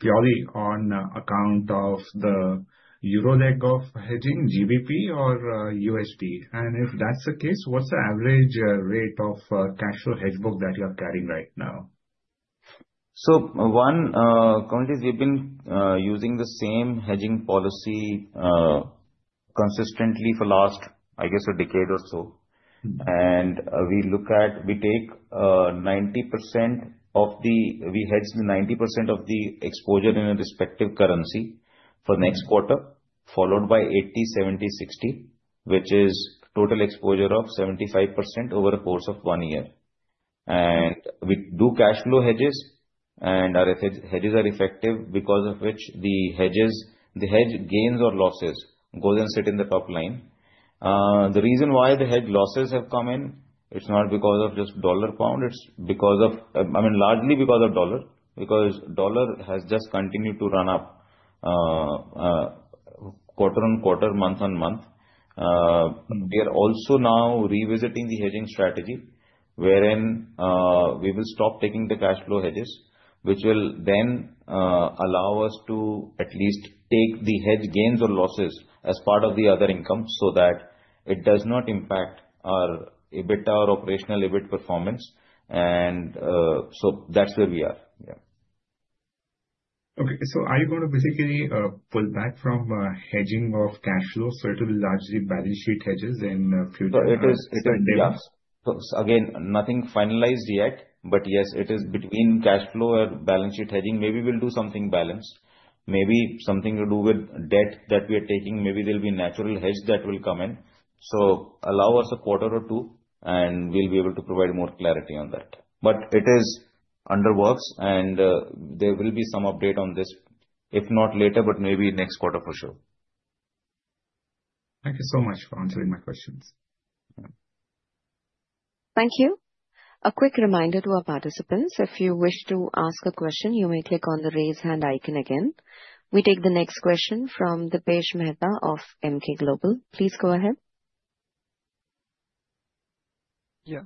purely on account of the euro leg of hedging, GBP, or USD? And if that's the case, what's the average rate of cash flow hedge book that you're carrying right now? So one, Kawaljeet, we've been using the same hedging policy consistently for last, I guess, a decade or so. And we look at. We take 90% of the exposure. We hedge the 90% of the exposure in a respective currency for next quarter, followed by 80, 70, 60, which is total exposure of 75% over a course of one year. And we do cash flow hedges, and our hedges are effective because of which the hedge gains or losses go and sit in the top line. The reason why the hedge losses have come in. It's not because of just dollar-pound. It's because of, I mean, largely because of dollar, because dollar has just continued to run up quarter-on-quarter, month-on-month. We are also now revisiting the hedging strategy wherein we will stop taking the cash flow hedges, which will then allow us to at least take the hedge gains or losses as part of the other income so that it does not impact our EBITDA or operational EBIT performance. And so that's where we are. Yeah. Okay, so are you going to basically pull back from hedging of cash flow sort of largely balance sheet hedges in future? So again, nothing finalized yet. But yes, it is between cash flow and balance sheet hedging. Maybe we'll do something balanced. Maybe something to do with debt that we are taking. Maybe there'll be natural hedge that will come in. So allow us a quarter or two, and we'll be able to provide more clarity on that. But it is in the works, and there will be some update on this, if not later, but maybe next quarter for sure. Thank you so much for answering my questions. Thank you. A quick reminder to our participants. If you wish to ask a question, you may click on the raise hand icon again. We take the next question from Dipesh Mehta of Emkay Global. Please go ahead. Yeah.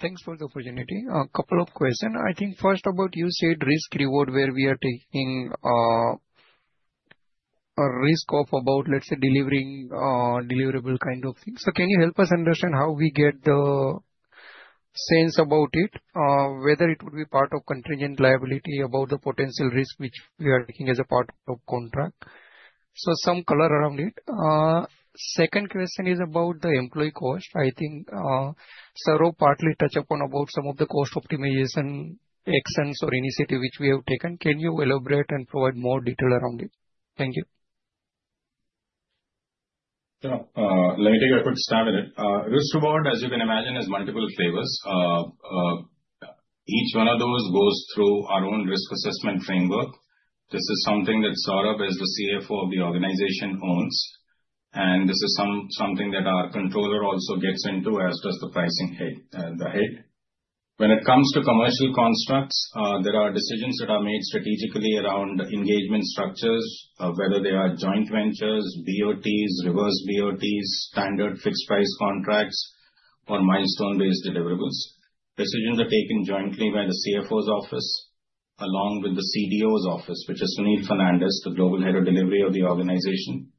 Thanks for the opportunity. A couple of questions. I think first about you said risk-reward where we are taking a risk of about, let's say, delivering deliverable kind of thing. So can you help us understand how we get the sense about it, whether it would be part of contingent liability about the potential risk which we are taking as a part of contract? So some color around it. Second question is about the employee cost. I think Saurabh partly touched upon about some of the cost optimization actions or initiative which we have taken. Can you elaborate and provide more detail around it? Thank you. Yeah. Let me take a quick stab at it. Risk-reward, as you can imagine, has multiple flavors. Each one of those goes through our own risk assessment framework. This is something that Saurabh as the CFO of the organization owns. And this is something that our controller also gets into, as does the pricing head. When it comes to commercial constructs, there are decisions that are made strategically around engagement structures, whether they are joint ventures, BOTs, reverse BOTs, standard fixed-price contracts, or milestone-based deliverables. Decisions are taken jointly by the CFO's office along with the CDO's office, which is Sunil Fernandes, the Global Head of Delivery of the organization.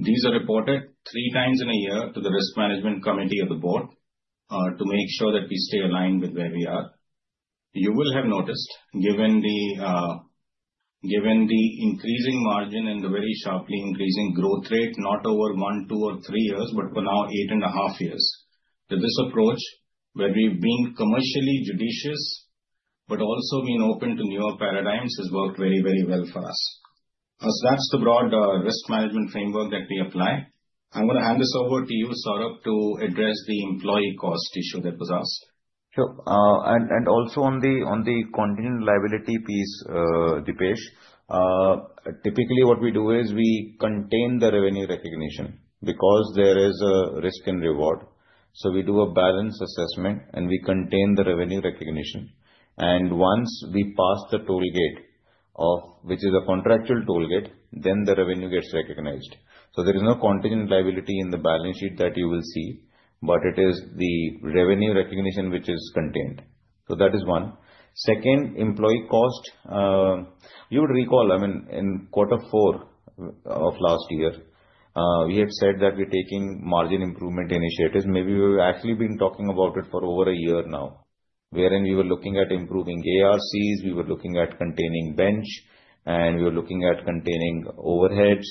These are reported three times in a year to the risk management committee of the board to make sure that we stay aligned with where we are. You will have noticed, given the increasing margin and the very sharply increasing growth rate, not over one, two, or three years, but for now, eight and a half years, that this approach where we've been commercially judicious but also been open to newer paradigms has worked very, very well for us. So that's the broad risk management framework that we apply. I'm going to hand this over to you, Saurabh, to address the employee cost issue that was asked. Sure. And also on the contingent liability piece, Dipesh, typically what we do is we contain the revenue recognition because there is a risk and reward. So we do a balance assessment, and we contain the revenue recognition. And once we pass the toll gate, which is a contractual toll gate, then the revenue gets recognized. So there is no contingent liability in the balance sheet that you will see, but it is the revenue recognition which is contained. So that is one. Second, employee cost, you would recall, I mean, in quarter four of last year, we had said that we're taking margin improvement initiatives. Maybe we've actually been talking about it for over a year now, wherein we were looking at improving ARCs. We were looking at containing bench, and we were looking at containing overheads.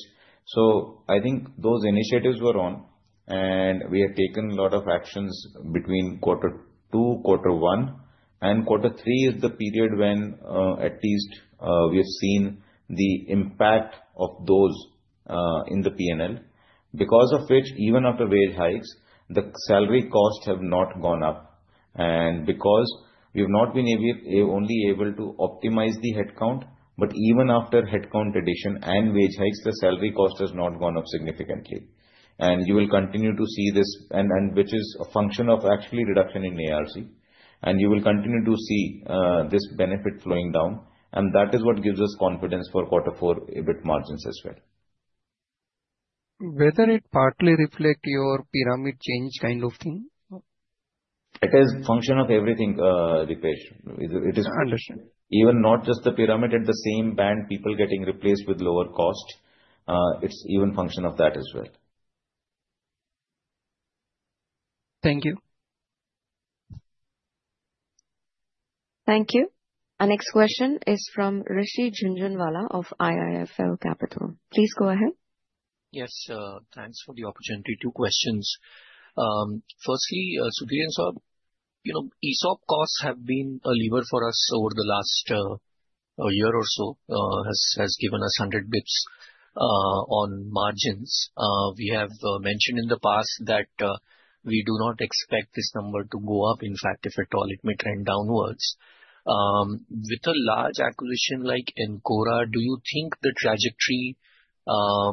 So, I think those initiatives were on, and we have taken a lot of actions between quarter two, quarter one. And quarter three is the period when at least we have seen the impact of those in the P&L, because of which, even after wage hikes, the salary costs have not gone up. And because we have not been only able to optimize the headcount, but even after headcount addition and wage hikes, the salary cost has not gone up significantly. And you will continue to see this, which is a function of actually reduction in ARC. And you will continue to see this benefit flowing down. And that is what gives us confidence for quarter four EBIT margins as well. Whether it partly reflects your pyramid change kind of thing? It is a function of everything, Dipesh. It is even not just the pyramid at the same band, people getting replaced with lower cost. It's even a function of that as well. Thank you. Thank you. Our next question is from Rishi Jhunjhunwala of IIFL Capital. Please go ahead. Yes. Thanks for the opportunity. Two questions. Firstly, Sudhir and Saurabh, ESOP costs have been a lever for us over the last year or so, has given us 100 basis points on margins. We have mentioned in the past that we do not expect this number to go up. In fact, if at all, it may trend downwards. With a large acquisition like Encora, do you think the trajectory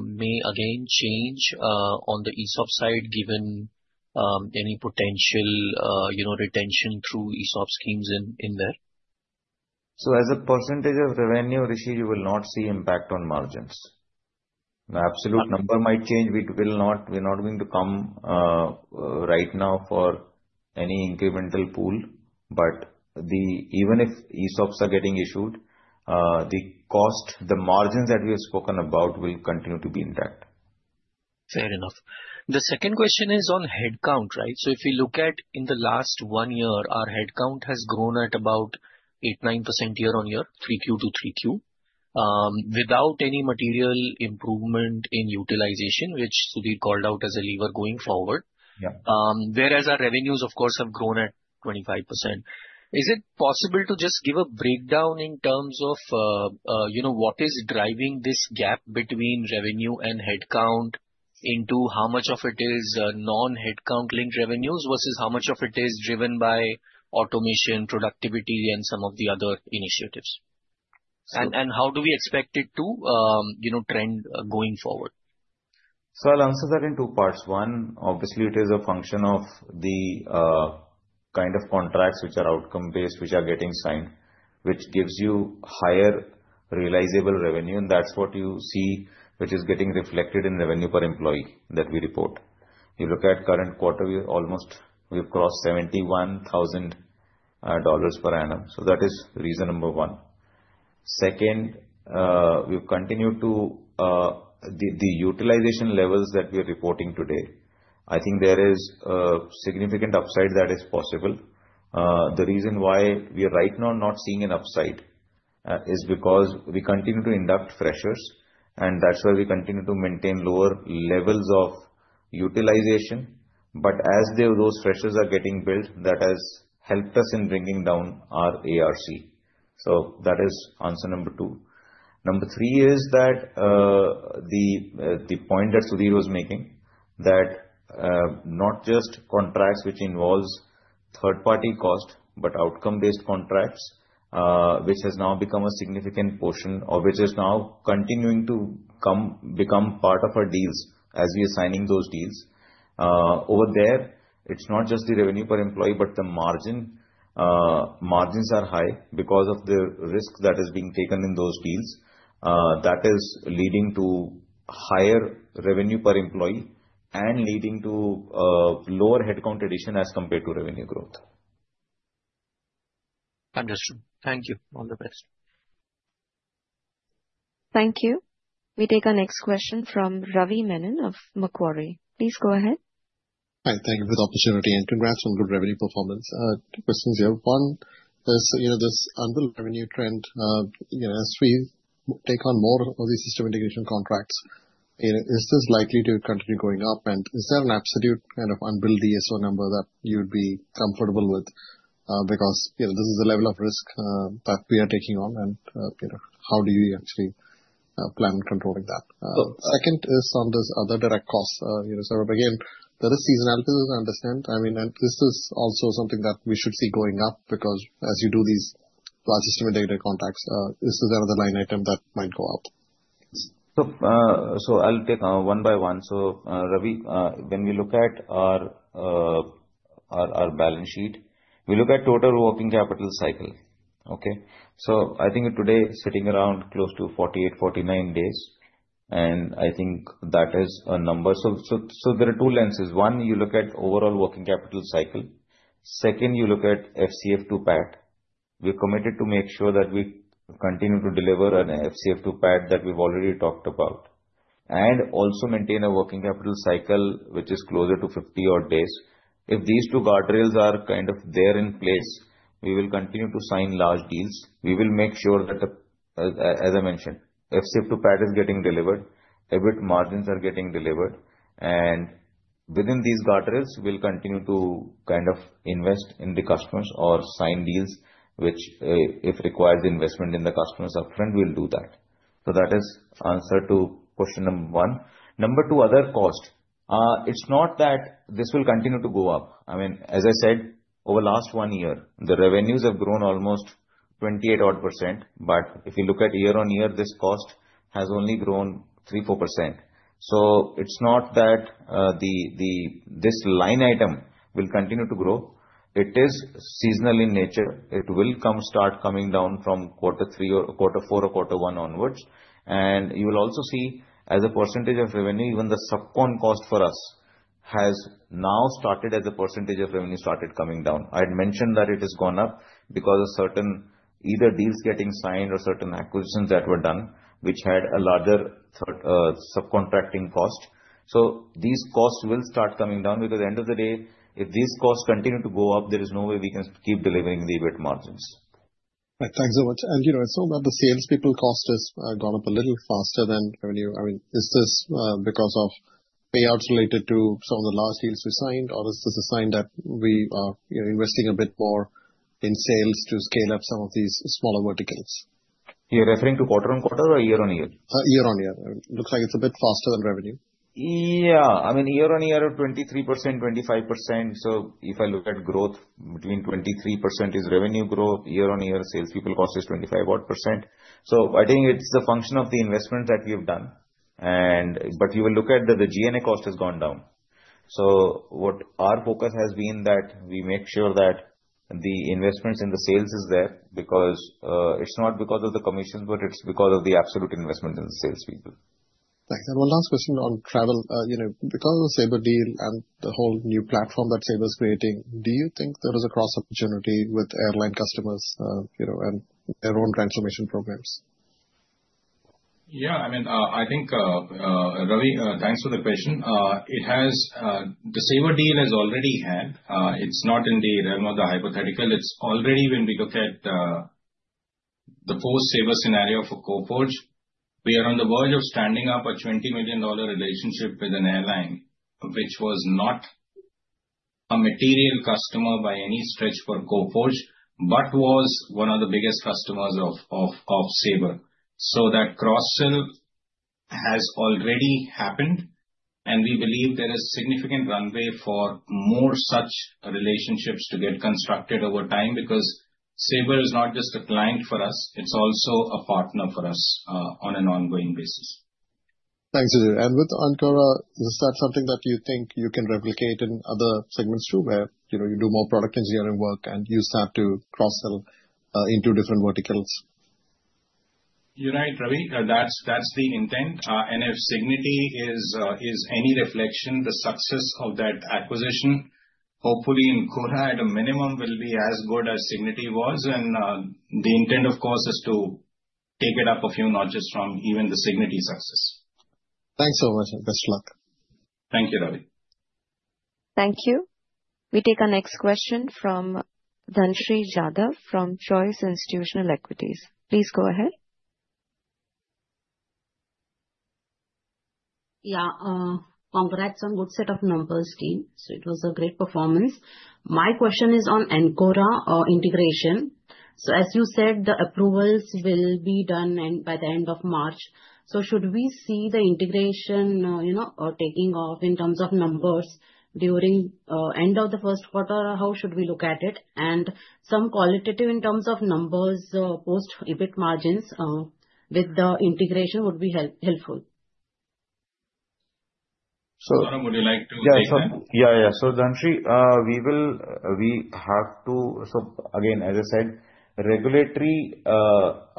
may again change on the ESOP side given any potential retention through ESOP schemes in there? So as a percentage of revenue, Rishi, you will not see impact on margins. The absolute number might change. We're not going to come right now for any incremental pool. But even if ESOPs are getting issued, the cost, the margins that we have spoken about will continue to be intact. Fair enough. The second question is on headcount, right? So if we look at in the last one year, our headcount has grown at about 8%-9% year-on-year, 3Q to 3Q, without any material improvement in utilization, which Sudhir called out as a lever going forward, whereas our revenues, of course, have grown at 25%. Is it possible to just give a breakdown in terms of what is driving this gap between revenue and headcount into how much of it is non-headcount linked revenues versus how much of it is driven by automation, productivity, and some of the other initiatives? And how do we expect it to trend going forward? So I'll answer that in two parts. One, obviously, it is a function of the kind of contracts which are outcome-based, which are getting signed, which gives you higher realizable revenue. And that's what you see, which is getting reflected in revenue per employee that we report. You look at current quarter, we've almost crossed $71,000 per annum. So that is reason number one. Second, we've continued to the utilization levels that we are reporting today, I think there is a significant upside that is possible. The reason why we are right now not seeing an upside is because we continue to induct freshers, and that's why we continue to maintain lower levels of utilization. But as those freshers are getting built, that has helped us in bringing down our ARC. So that is answer number two. Number three is that the point that Sudhir was making, that not just contracts which involve third-party cost, but outcome-based contracts, which has now become a significant portion or which is now continuing to become part of our deals as we are signing those deals. Over there, it's not just the revenue per employee, but the margins are high because of the risk that is being taken in those deals. That is leading to higher revenue per employee and leading to lower headcount addition as compared to revenue growth. Understood. Thank you. All the best. Thank you. We take our next question from Ravi Menon of Macquarie. Please go ahead. Hi. Thank you for the opportunity and congrats on good revenue performance. Two questions here. One is this unbilled revenue trend, as we take on more of these system integration contracts, is this likely to continue going up? And is there an absolute kind of unbilled ESO number that you'd be comfortable with? Because this is the level of risk that we are taking on, and how do you actually plan controlling that? Second is on this other direct cost. So again, there is seasonality, as I understand. I mean, and this is also something that we should see going up because as you do these large system integrated contracts, this is another line item that might go up. I'll take one by one. Ravi, when we look at our balance sheet, we look at total working capital cycle. Okay? I think today sitting around close to 48, 49 days. I think that is a number. There are two lenses. One, you look at overall working capital cycle. Second, you look at FCF to PAT. We're committed to make sure that we continue to deliver an FCF to PAT that we've already talked about and also maintain a working capital cycle which is closer to 50-odd days. If these two guardrails are kind of there in place, we will continue to sign large deals. We will make sure that, as I mentioned, FCF to PAT is getting delivered, EBIT margins are getting delivered. Within these guardrails, we'll continue to kind of invest in the customers or sign deals which, if required, the investment in the customers upfront, we'll do that. That is answer to question number one. Number two, other cost. It's not that this will continue to go up. I mean, as I said, over the last one year, the revenues have grown almost 28-odd%. If you look at year-on-year, this cost has only grown 3-4%. It's not that this line item will continue to grow. It is seasonal in nature. It will come start coming down from quarter three or quarter four or quarter one onwards. You will also see, as a percentage of revenue, even the sub-con cost for us has now started, as a percentage of revenue, started coming down. I had mentioned that it has gone up because of certain either deals getting signed or certain acquisitions that were done, which had a larger subcontracting cost, so these costs will start coming down because at the end of the day, if these costs continue to go up, there is no way we can keep delivering the EBIT margins. Thanks so much, and it's all that the salespeople cost has gone up a little faster than revenue. I mean, is this because of payouts related to some of the large deals we signed, or is this a sign that we are investing a bit more in sales to scale up some of these smaller verticals? You're referring to quarter-on-quarter or year-on-year? Year-on-year. It looks like it's a bit faster than revenue. Yeah. I mean, year-on-year, 23%, 25%. So if I look at growth, between 23% is revenue growth. year-on-year, salespeople cost is 25-odd%. So I think it's a function of the investment that we have done. But you will look at the G&A cost has gone down. So our focus has been that we make sure that the investments in the sales is there because it's not because of the commissions, but it's because of the absolute investment in the salespeople. Thanks. And one last question on travel. Because of the Sabre deal and the whole new platform that Sabre is creating, do you think there is a cross-opportunity with airline customers and their own transformation programs? Yeah. I mean, Ravi, thanks for the question. The Sabre deal has already had. It's not in the realm of the hypothetical. It's already, when we look at the post-Sabre scenario for Coforge, we are on the verge of standing up a $20 million relationship with an airline, which was not a material customer by any stretch for Coforge, but was one of the biggest customers of Sabre. So that cross-sale has already happened. And we believe there is significant runway for more such relationships to get constructed over time because Sabre is not just a client for us. It's also a partner for us on an ongoing basis. Thanks, Sudhir. And with Encora, is that something that you think you can replicate in other segments too where you do more product engineering work and use that to cross-sell into different verticals? You're right, Ravi. That's the intent. And if Cigniti is any reflection, the success of that acquisition, hopefully, Encora at a minimum will be as good as Cigniti was. And the intent, of course, is to take it up a few notches from even the Cigniti success. Thanks so much. And best of luck. Thank you, Ravi. Thank you. We take our next question from Dhanashree Jadhav from Choice Institutional Equities. Please go ahead. Yeah. Congrats on a good set of numbers, team. So it was a great performance. My question is on Encora integration. So as you said, the approvals will be done by the end of March. So should we see the integration taking off in terms of numbers during the end of the first quarter? How should we look at it? And some qualitative in terms of numbers post EBIT margins with the integration would be helpful. So Saurabh, would you like to take that? Yeah, yeah. So Dhanashree, we have to, so again, as I said, regulatory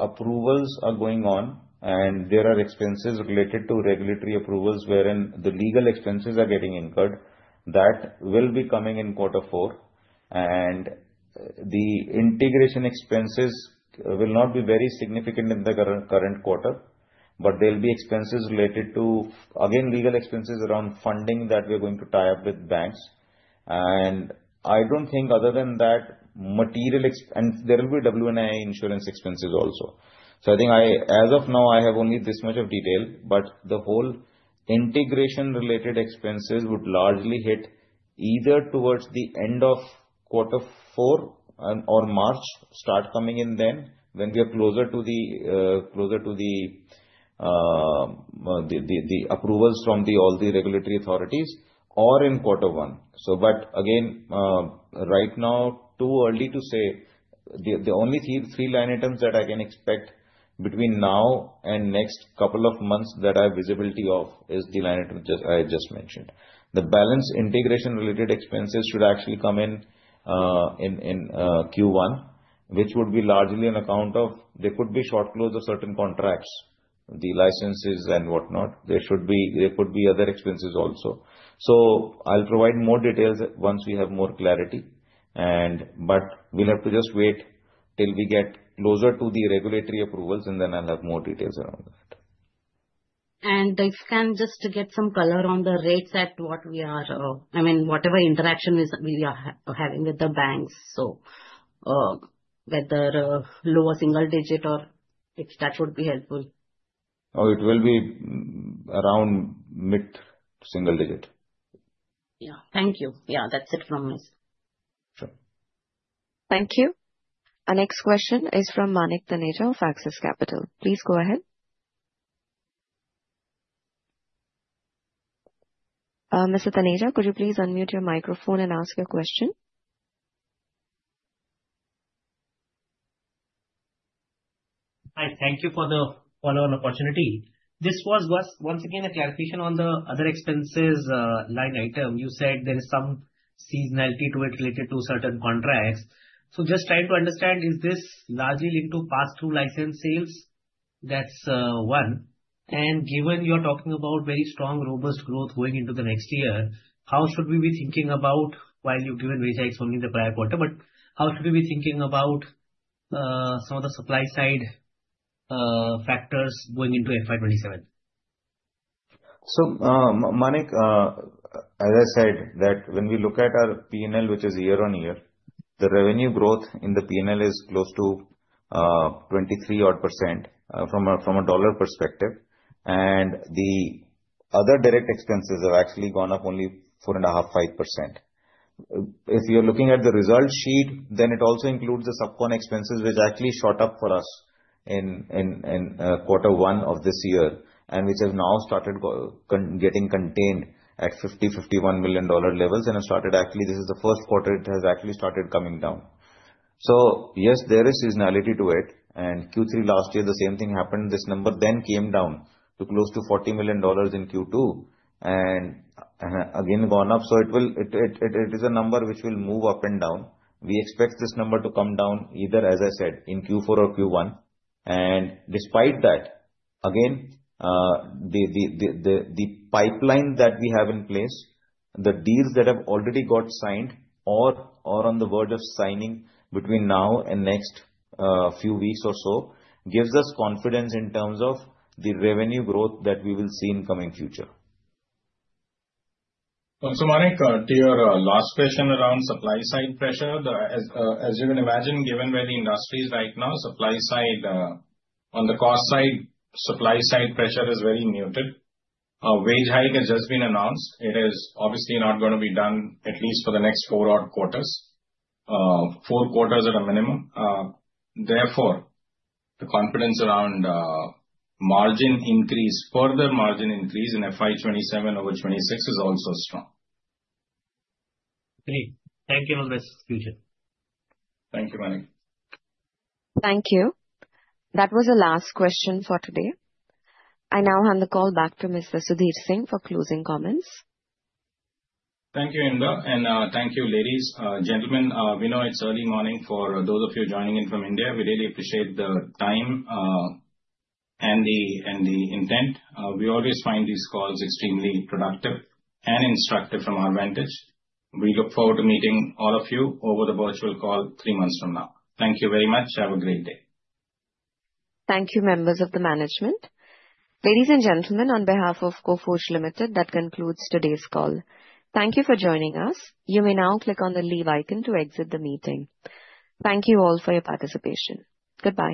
approvals are going on, and there are expenses related to regulatory approvals wherein the legal expenses are getting incurred. That will be coming in quarter four. The integration expenses will not be very significant in the current quarter, but there will be expenses related to, again, legal expenses around funding that we are going to tie up with banks. I don't think other than that, material expense, and there will be W&I insurance expenses also. So I think, as of now, I have only this much of detail, but the whole integration-related expenses would largely hit either towards the end of quarter four or March start coming in then when we are closer to the approvals from all the regulatory authorities or in quarter one. Right now, too early to say. The only three line items that I can expect between now and next couple of months that I have visibility of is the line item I just mentioned. The balance integration-related expenses should actually come in Q1, which would be largely on account of there could be short close of certain contracts, the licenses and whatnot. There could be other expenses also. So I'll provide more details once we have more clarity. But we'll have to just wait till we get closer to the regulatory approvals, and then I'll have more details around that. If I can just get some color on the rates at what we are, I mean, whatever interaction we are having with the banks, so whether lower single-digit or if that would be helpful. Oh, it will be around mid-single digit. Yeah. Thank you. Yeah. That's it from me. Sure. Thank you. Our next question is from Manik Taneja of Axis Capital. Please go ahead. Mr. Taneja, could you please unmute your microphone and ask your question? Hi. Thank you for the follow-on opportunity. This was once again a clarification on the other expenses line item. You said there is some seasonality to it related to certain contracts. So just trying to understand, is this largely linked to pass-through license sales? That's one. And given you are talking about very strong robust growth going into the next year, how should we be thinking about while you've given wage hikes only the prior quarter? But how should we be thinking about some of the supply-side factors going into FY 2027? Manik, as I said, that when we look at our P&L, which is year-on-year, the revenue growth in the P&L is close to 23-odd% from a dollar perspective. And the other direct expenses have actually gone up only 4.5%. If you're looking at the result sheet, then it also includes the sub-con expenses, which actually shot up for us in quarter one of this year and which have now started getting contained at $50 million-$51 million levels and have started actually. This is the first quarter it has actually started coming down. So yes, there is seasonality to it. And Q3 last year, the same thing happened. This number then came down to close to $40 million in Q2 and again gone up. So it is a number which will move up and down. We expect this number to come down either, as I said, in Q4 or Q1, and despite that, again, the pipeline that we have in place, the deals that have already got signed or on the verge of signing between now and next few weeks or so gives us confidence in terms of the revenue growth that we will see in the coming future. So Manik, to your last question around supply-side pressure, as you can imagine, given where the industry is right now, supply-side on the cost side, supply-side pressure is very muted. A wage hike has just been announced. It is obviously not going to be done, at least for the next four-odd quarters, four quarters at a minimum. Therefore, the confidence around margin increase, further margin increase in FY 2027 over 2026 is also strong. Great. Thank you, always. Appreciate it. Thank you, Manik. Thank you. That was the last question for today. I now hand the call back to Mr. Sudhir Singh for closing comments. Thank you, Inba. And thank you, ladies and gentlemen. We know it's early morning for those of you joining in from India. We really appreciate the time and the intent. We always find these calls extremely productive and instructive from our vantage. We look forward to meeting all of you over the virtual call three months from now. Thank you very much. Have a great day. Thank you, members of the management. Ladies and gentlemen, on behalf of Coforge Limited, that concludes today's call. Thank you for joining us. You may now click on the "Leave" icon to exit the meeting. Thank you all for your participation. Goodbye.